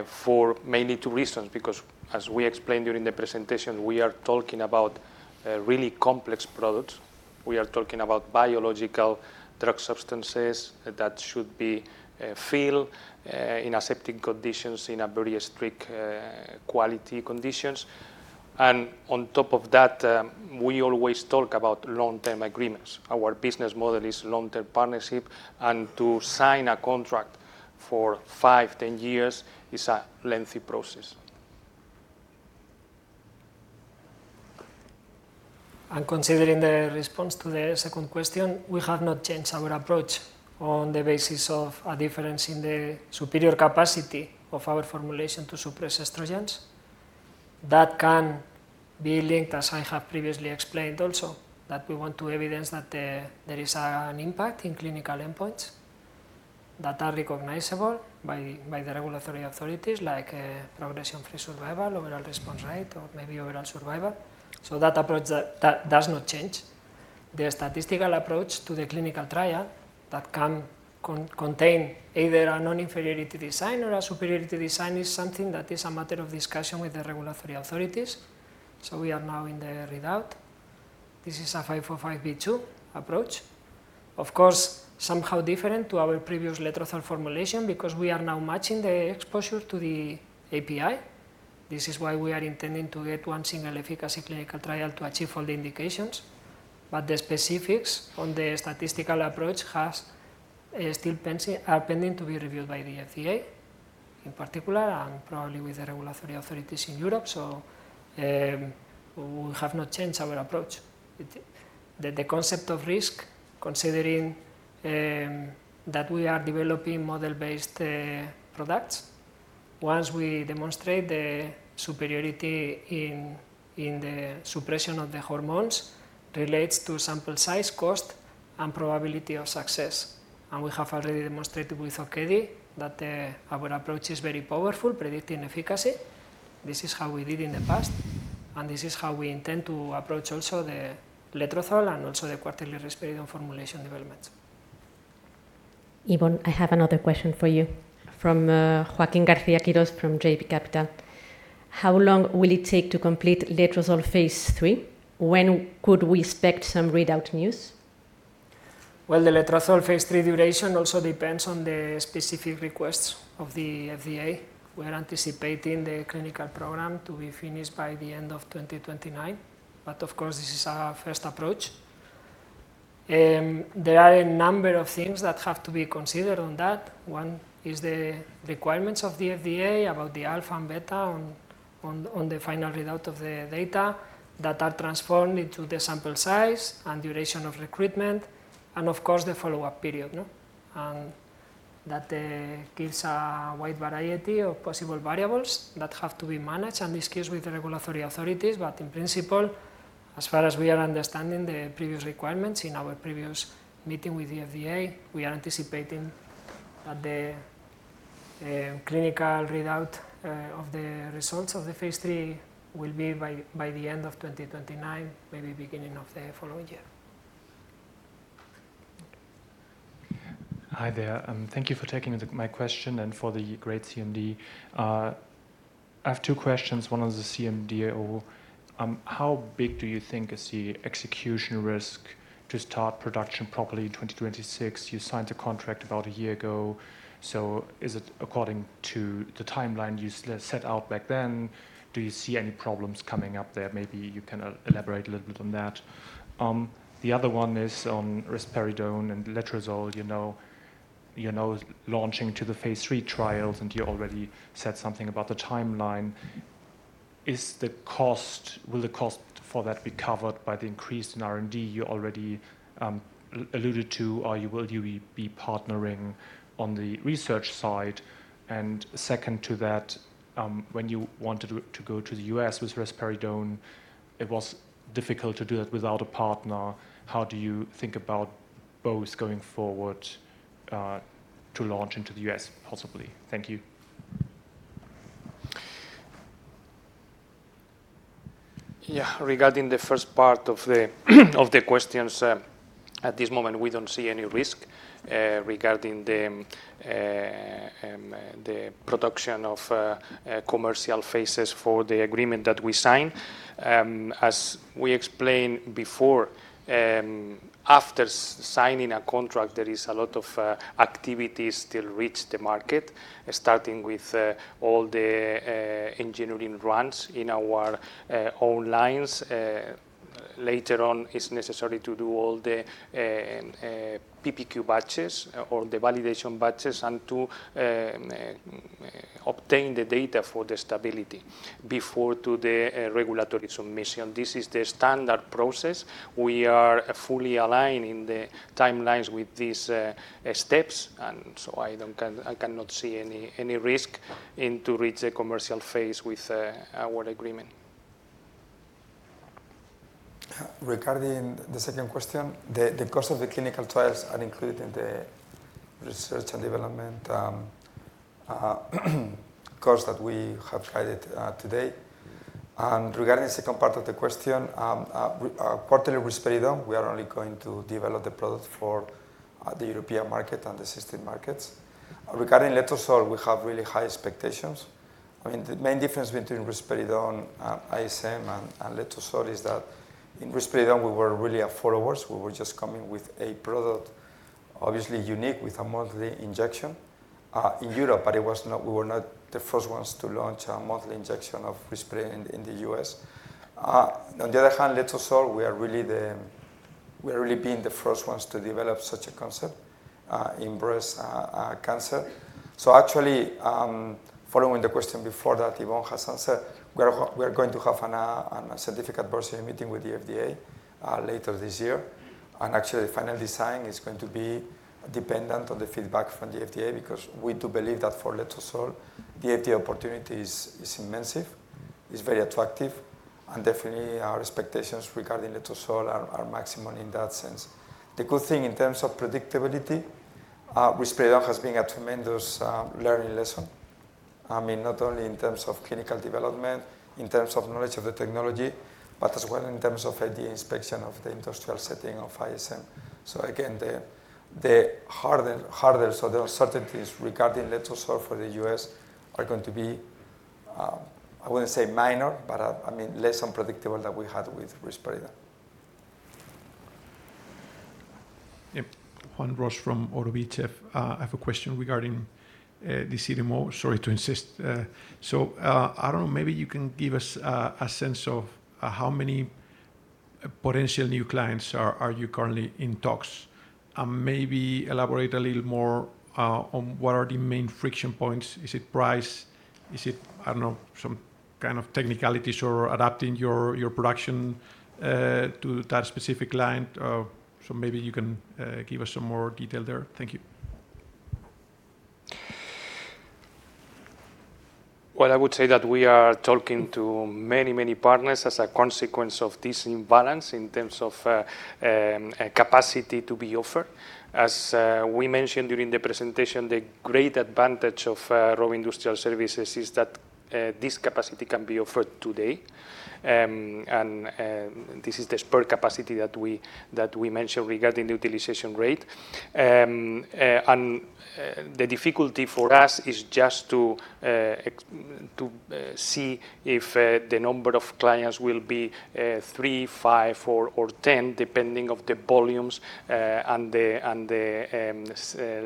for mainly two reasons. Because as we explained during the presentation, we are talking about really complex products. We are talking about biological drug substances that should be filled in aseptic conditions, in a very strict quality condition. On top of that, we always talk about long-term agreements. Our business model is long-term partnership, and to sign a contract for five-10 years is a lengthy process. Considering the response to the second question, we have not changed our approach on the basis of a difference in the superior capacity of our formulation to suppress estrogens. That can be linked, as I have previously explained also, that we want to evidence that there is an impact in clinical endpoints that are recognizable by the regulatory authorities, like progression-free survival, overall response rate, or maybe overall survival. That approach does not change. The statistical approach to the clinical trial that can contain either a non-inferiority design or a superiority design is something that is a matter of discussion with the regulatory authorities, so we are now in the readout. This is a 505(b)(2) approach. Of course, somehow different to our previous letrozole formulation because we are now matching the exposure to the API. This is why we are intending to get one single efficacy clinical trial to achieve all the indications. The specifics on the statistical approach are pending to be reviewed by the FDA, in particular, and probably with the regulatory authorities in Europe. We have not changed our approach. The concept of risk, considering that we are developing model-based products, once we demonstrate the superiority in the suppression of the hormones relates to sample size, cost, and probability of success. We have already demonstrated with Okedi that our approach is very powerful predicting efficacy. This is how we did in the past, and this is how we intend to approach also the letrozole and also the quarterly risperidone formulation developments. Ibon, I have another question for you from Joaquín García-Quirós from JB Capital. How long will it take to complete letrozole phase III? When could we expect some readout news? Well, the letrozole phase III duration also depends on the specific requests of the FDA. We're anticipating the clinical program to be finished by the end of 2029, but of course, this is our first approach. There are a number of things that have to be considered on that. One is the requirements of the FDA about the alpha and beta on the final readout of the data that are transformed into the sample size and duration of recruitment and of course, the follow-up period, no? That gives a wide variety of possible variables that have to be managed and discussed with the regulatory authorities. In principle, as far as we are understanding the previous requirements in our previous meeting with the FDA, we are anticipating that the clinical readout of the results of phase III will be by the end of 2029, maybe beginning of the following year. Hi there, thank you for taking my question and for the great CMD. I have two questions. One on the CDMO. How big do you think is the execution risk to start production properly in 2026? You signed a contract about a year ago, so is it according to the timeline you set out back then? Do you see any problems coming up there? Maybe you can elaborate a little bit on that. The other one is on risperidone and letrozole, launching to the phase III trials, and you already said something about the timeline. Will the cost for that be covered by the increase in R&D you already alluded to, or will you be partnering on the research side? Second to that, when you wanted to go to the U.S. with risperidone, it was difficult to do that without a partner. How do you think about both going forward, to launch into the U.S., possibly? Thank you. Yeah. Regarding the first part of the questions, at this moment, we don't see any risk regarding the production of commercial phases for the agreement that we sign. As we explained before, after signing a contract, there is a lot of activities to reach the market, starting with all the engineering runs in our own lines. Later on, it's necessary to do all the PPQ batches or the validation batches and to obtain the data for the stability before the regulatory submission. This is the standard process. We are fully aligned in the timelines with these steps, and so I cannot see any risk in reaching the commercial phase with our agreement. Regarding the second question, the cost of the clinical trials are included in the research and development cost that we have guided today. Regarding the second part of the question, quarterly risperidone, we are only going to develop the product for the European market and the system markets. Regarding letrozole, we have really high expectations. I mean, the main difference between risperidone ISM and letrozole is that in risperidone, we were really followers. We were just coming with a product, obviously unique with a monthly injection in Europe, but we were not the first ones to launch a monthly injection of risperidone in the U.S. On the other hand, letrozole, we are really being the first ones to develop such a concept in breast cancer. Actually, following the question before that Ibon has answered, we are going to have a significant advisory meeting with the FDA later this year. Actually, the final design is going to be dependent on the feedback from the FDA, because we do believe that for letrozole the FDA opportunity is immense, is very attractive, and definitely our expectations regarding letrozole are maximum in that sense. The good thing in terms of predictability, risperidone has been a tremendous learning lesson. I mean, not only in terms of clinical development, in terms of knowledge of the technology, but as well in terms of FDA inspection of the industrial setting of ISM. Again, the harder sort of uncertainties regarding letrozole for the U.S. are going to be. I wouldn't say minor, but I mean, less unpredictable than we had with risperidone. Yep. Juan Ros Padilla from Oddo BHF. I have a question regarding the CDMO. Sorry to insist. I don't know, maybe you can give us a sense of how many potential new clients are you currently in talks? Maybe elaborate a little more on what are the main friction points. Is it price? Is it, I don't know, some kind of technicalities or adapting your production to that specific client? Maybe you can give us some more detail there. Thank you. Well, I would say that we are talking to many, many partners as a consequence of this imbalance in terms of capacity to be offered. As we mentioned during the presentation, the great advantage of Rovi Industrial Services is that this capacity can be offered today. This is the spare capacity that we mentioned regarding the utilization rate. The difficulty for us is just to see if the number of clients will be three, five, four or 10, depending on the volumes and the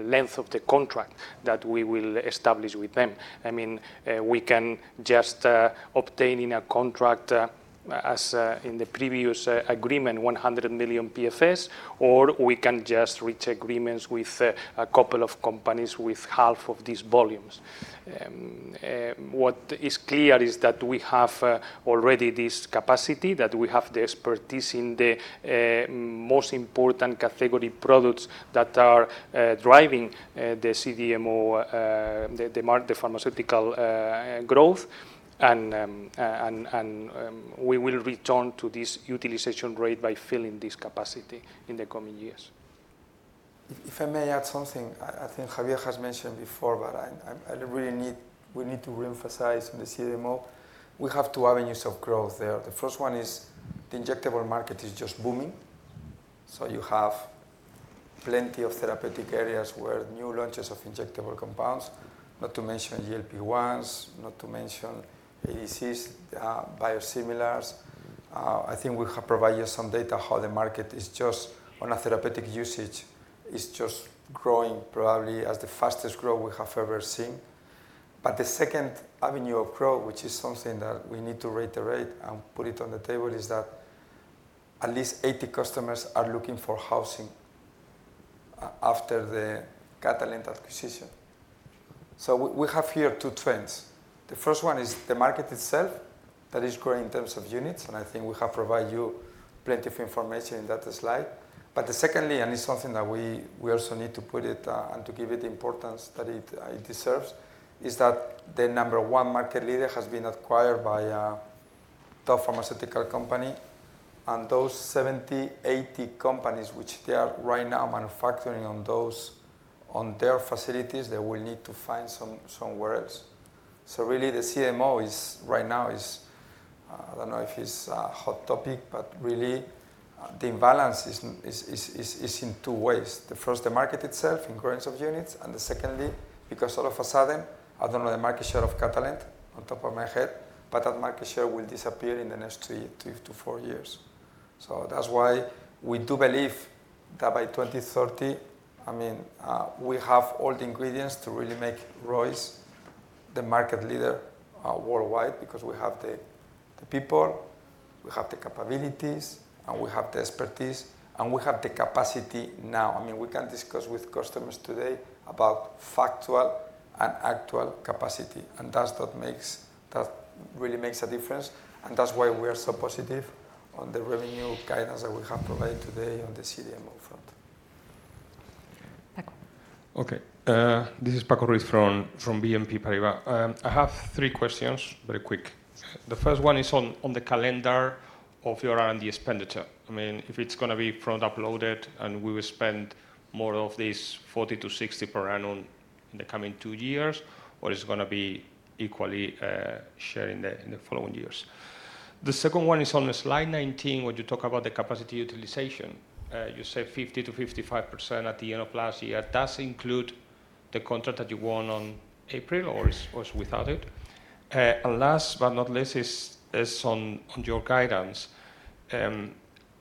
length of the contract that we will establish with them. I mean, we can just obtain in a contract as in the previous agreement 100 million PFS, or we can just reach agreements with a couple of companies with half of these volumes. What is clear is that we have already this capacity, that we have the expertise in the most important category products that are driving the CDMO, the market, the pharmaceutical growth. We will return to this utilization rate by filling this capacity in the coming years. If I may add something, I think Javier has mentioned before, but I really need we need to reemphasize on the CDMO. We have two avenues of growth there. The first one is the injectable market is just booming. So you have plenty of therapeutic areas where new launches of injectable compounds, not to mention GLP-1s, not to mention ADCs, biosimilars. I think we have provided some data how the market is just on a therapeutic usage, is just growing probably as the fastest growth we have ever seen. But the second avenue of growth, which is something that we need to reiterate and put it on the table, is that at least 80 customers are looking for housing after the Catalent acquisition. So, we have here two trends. The first one is the market itself that is growing in terms of units, and I think we have provided you plenty of information in that slide. Secondly, and it's something that we also need to put it, and to give it the importance that it deserves, is that the number one market leader has been acquired by a top pharmaceutical company. Those 70-80 companies, which they are right now manufacturing on their facilities, they will need to find somewhere else. Really, the CDMO is right now. I don't know if it's a hot topic, but really the imbalance is in two ways. The first, the market itself is growing in units, and secondly, because all of a sudden, I don't know the market share of Catalent off the top of my head, but that market share will disappear in the next three-four years. That's why we do believe that by 2030, I mean, we have all the ingredients to really make ROIS the market leader worldwide because we have the people, we have the capabilities, and we have the expertise, and we have the capacity now. I mean, we can discuss with customers today about factual and actual capacity, and that's what really makes a difference, and that's why we are so positive on the revenue guidance that we have provided today on the CDMO front. Paco. Okay. This is Paco Ruiz from BNP Paribas. I have three questions very quick. The first one is on the calendar of your R&D expenditure. I mean, if it's gonna be front-loaded and we will spend more of this 40-60 per annum in the coming two years, or it's gonna be equally shared in the following years. The second one is on slide 19 when you talk about the capacity utilization. You said 50%-55% at the end of last year. Does it include the contract that you won on April or is without it? Last but not least is on your guidance.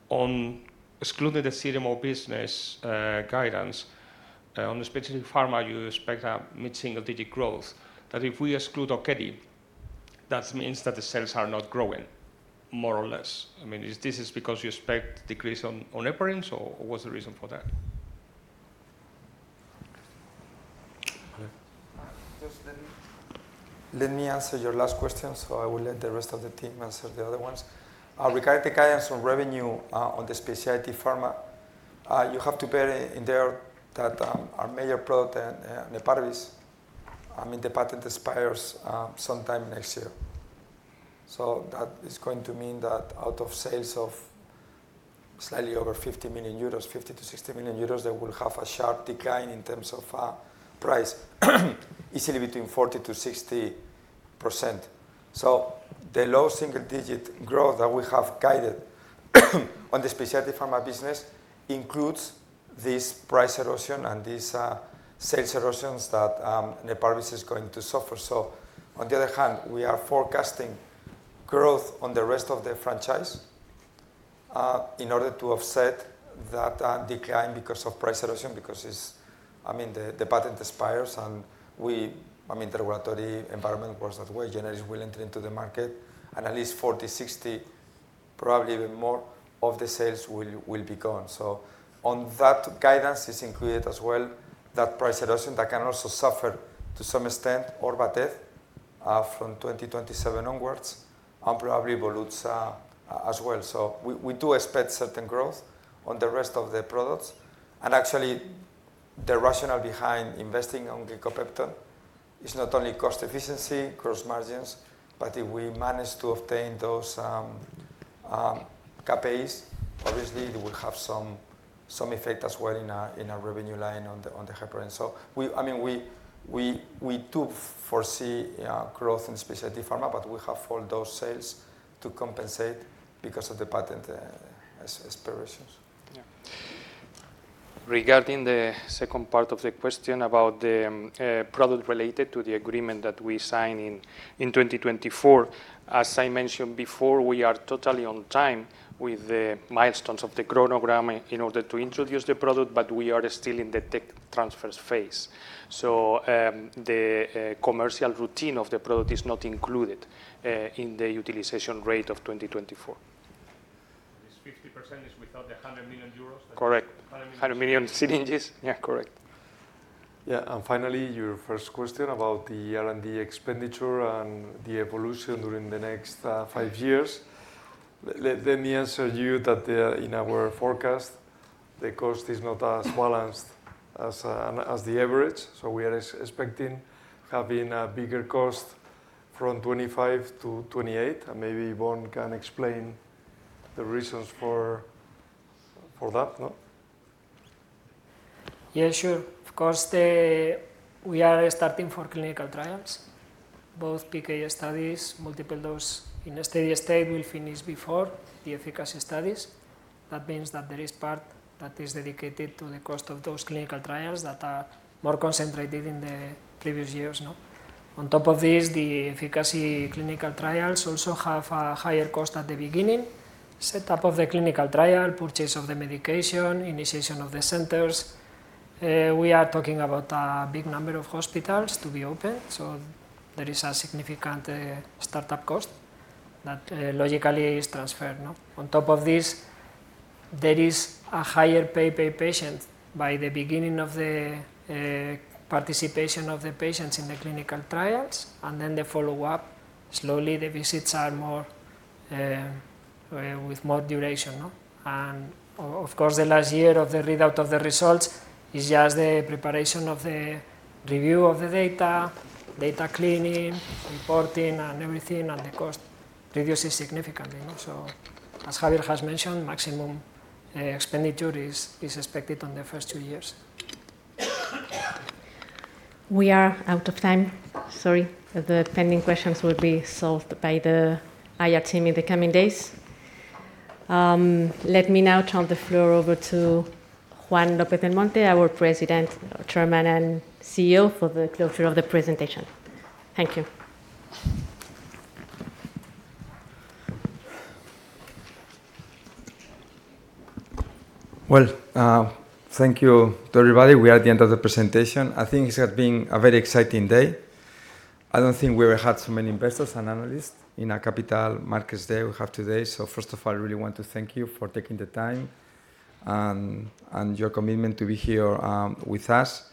On excluding the CDMO business, guidance, on especially pharma, you expect a mid-single digit growth, that if we exclude Okedi. That means that the sales are not growing more or less. I mean, is this because you expect decrease on Neparvis or what's the reason for that? Just let me answer your last question. I will let the rest of the team answer the other ones. Regarding the guidance on revenue on the specialty pharma, you have to bear in mind that our major product Neparvis, I mean, the patent expires sometime next year. That is going to mean that out of sales of slightly over 50 million euros, 50 million-60 million euros, they will have a sharp decline in terms of price, easily between 40%-60%. The low single-digit growth that we have guided on the specialty pharma business includes this price erosion and these sales erosions that Neparvis is going to suffer. On the other hand, we are forecasting growth on the rest of the franchise in order to offset that decline because of price erosion, because it's, I mean, the patent expires, I mean, the regulatory environment works that way. Generics will enter into the market and at least 40%-60%, probably even more of the sales will be gone. On that guidance is included as well that price erosion that can also suffer to some extent Orvatez from 2027 onwards and probably Volutsa as well. We do expect certain growth on the rest of the products and actually the rationale behind investing on Glicopepton is not only cost efficiency, gross margins, but if we manage to obtain those CapEx, obviously it will have some effect as well in our revenue line on the Neparvis. I mean, we do foresee growth in specialty pharma, but we have all those sales to compensate because of the patent expirations. Yeah. Regarding the second part of the question about the product related to the agreement that we signed in 2024, as I mentioned before, we are totally on time with the milestones of the chronogram in order to introduce the product, but we are still in the tech transfer phase. The commercial routine of the product is not included in the utilization rate of 2024. This 50% is without the 100 million euros? Correct. 100 million. 100 million syringes. Yeah, correct. Finally, your first question about the R&D expenditure and the evolution during the next five years. Let me answer you that, in our forecast, the cost is not as balanced as the average, so we are expecting having a bigger cost from 2025 to 2028, and maybe Ibon can explain the reasons for that, no? Yeah, sure. Of course, we are starting for clinical trials, both PK studies, multiple dose in a steady state will finish before the efficacy studies. That means that there is part that is dedicated to the cost of those clinical trials that are more concentrated in the previous years, no? On top of this, the efficacy clinical trials also have a higher cost at the beginning. Setup of the clinical trial, purchase of the medication, initiation of the centers. We are talking about a big number of hospitals to be opened, so there is a significant startup cost that logically is transferred, no? On top of this, there is a higher pay per patient by the beginning of the participation of the patients in the clinical trials and then the follow-up. Slowly the visits are more with more duration, no? Of course, the last year of the readout of the results is just the preparation of the review of the data cleaning, importing and everything, and the cost reduces significantly, you know? As Javier has mentioned, maximum expenditure is expected on the first two years. We are out of time, sorry. The pending questions will be solved by the Q&A team in the coming days. Let me now turn the floor over to Juan López-Belmonte Encina, our President, Chairman and CEO for the closure of the presentation. Thank you. Well, thank you to everybody. We are at the end of the presentation. I think it has been a very exciting day. I don't think we ever had so many investors and analysts in our Capital Markets Day we have today. First of all, I really want to thank you for taking the time and your commitment to be here with us.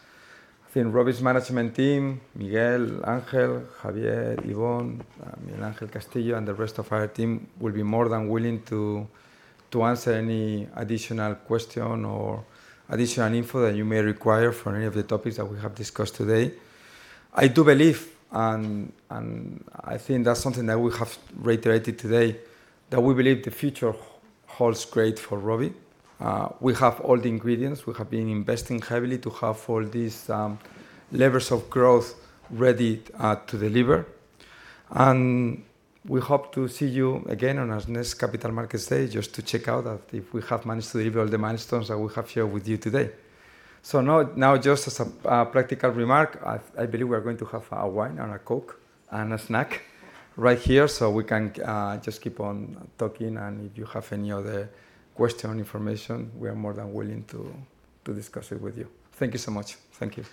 I think Rovi's management team, Miguel, Angel, Javier, Ibon, you know, Angel Castillo, and the rest of our team will be more than willing to answer any additional question or additional info that you may require for any of the topics that we have discussed today. I do believe and I think that's something that we have reiterated today, that we believe the future holds great for Rovi. We have all the ingredients. We have been investing heavily to have all these levers of growth ready to deliver. We hope to see you again on our next Capital Markets Day just to check out if we have managed to deliver the milestones that we have shared with you today. Now just as a practical remark, I believe we are going to have a wine and a Coke and a snack right here, so we can just keep on talking. If you have any other question or information, we are more than willing to discuss it with you. Thank you so much. Thank you.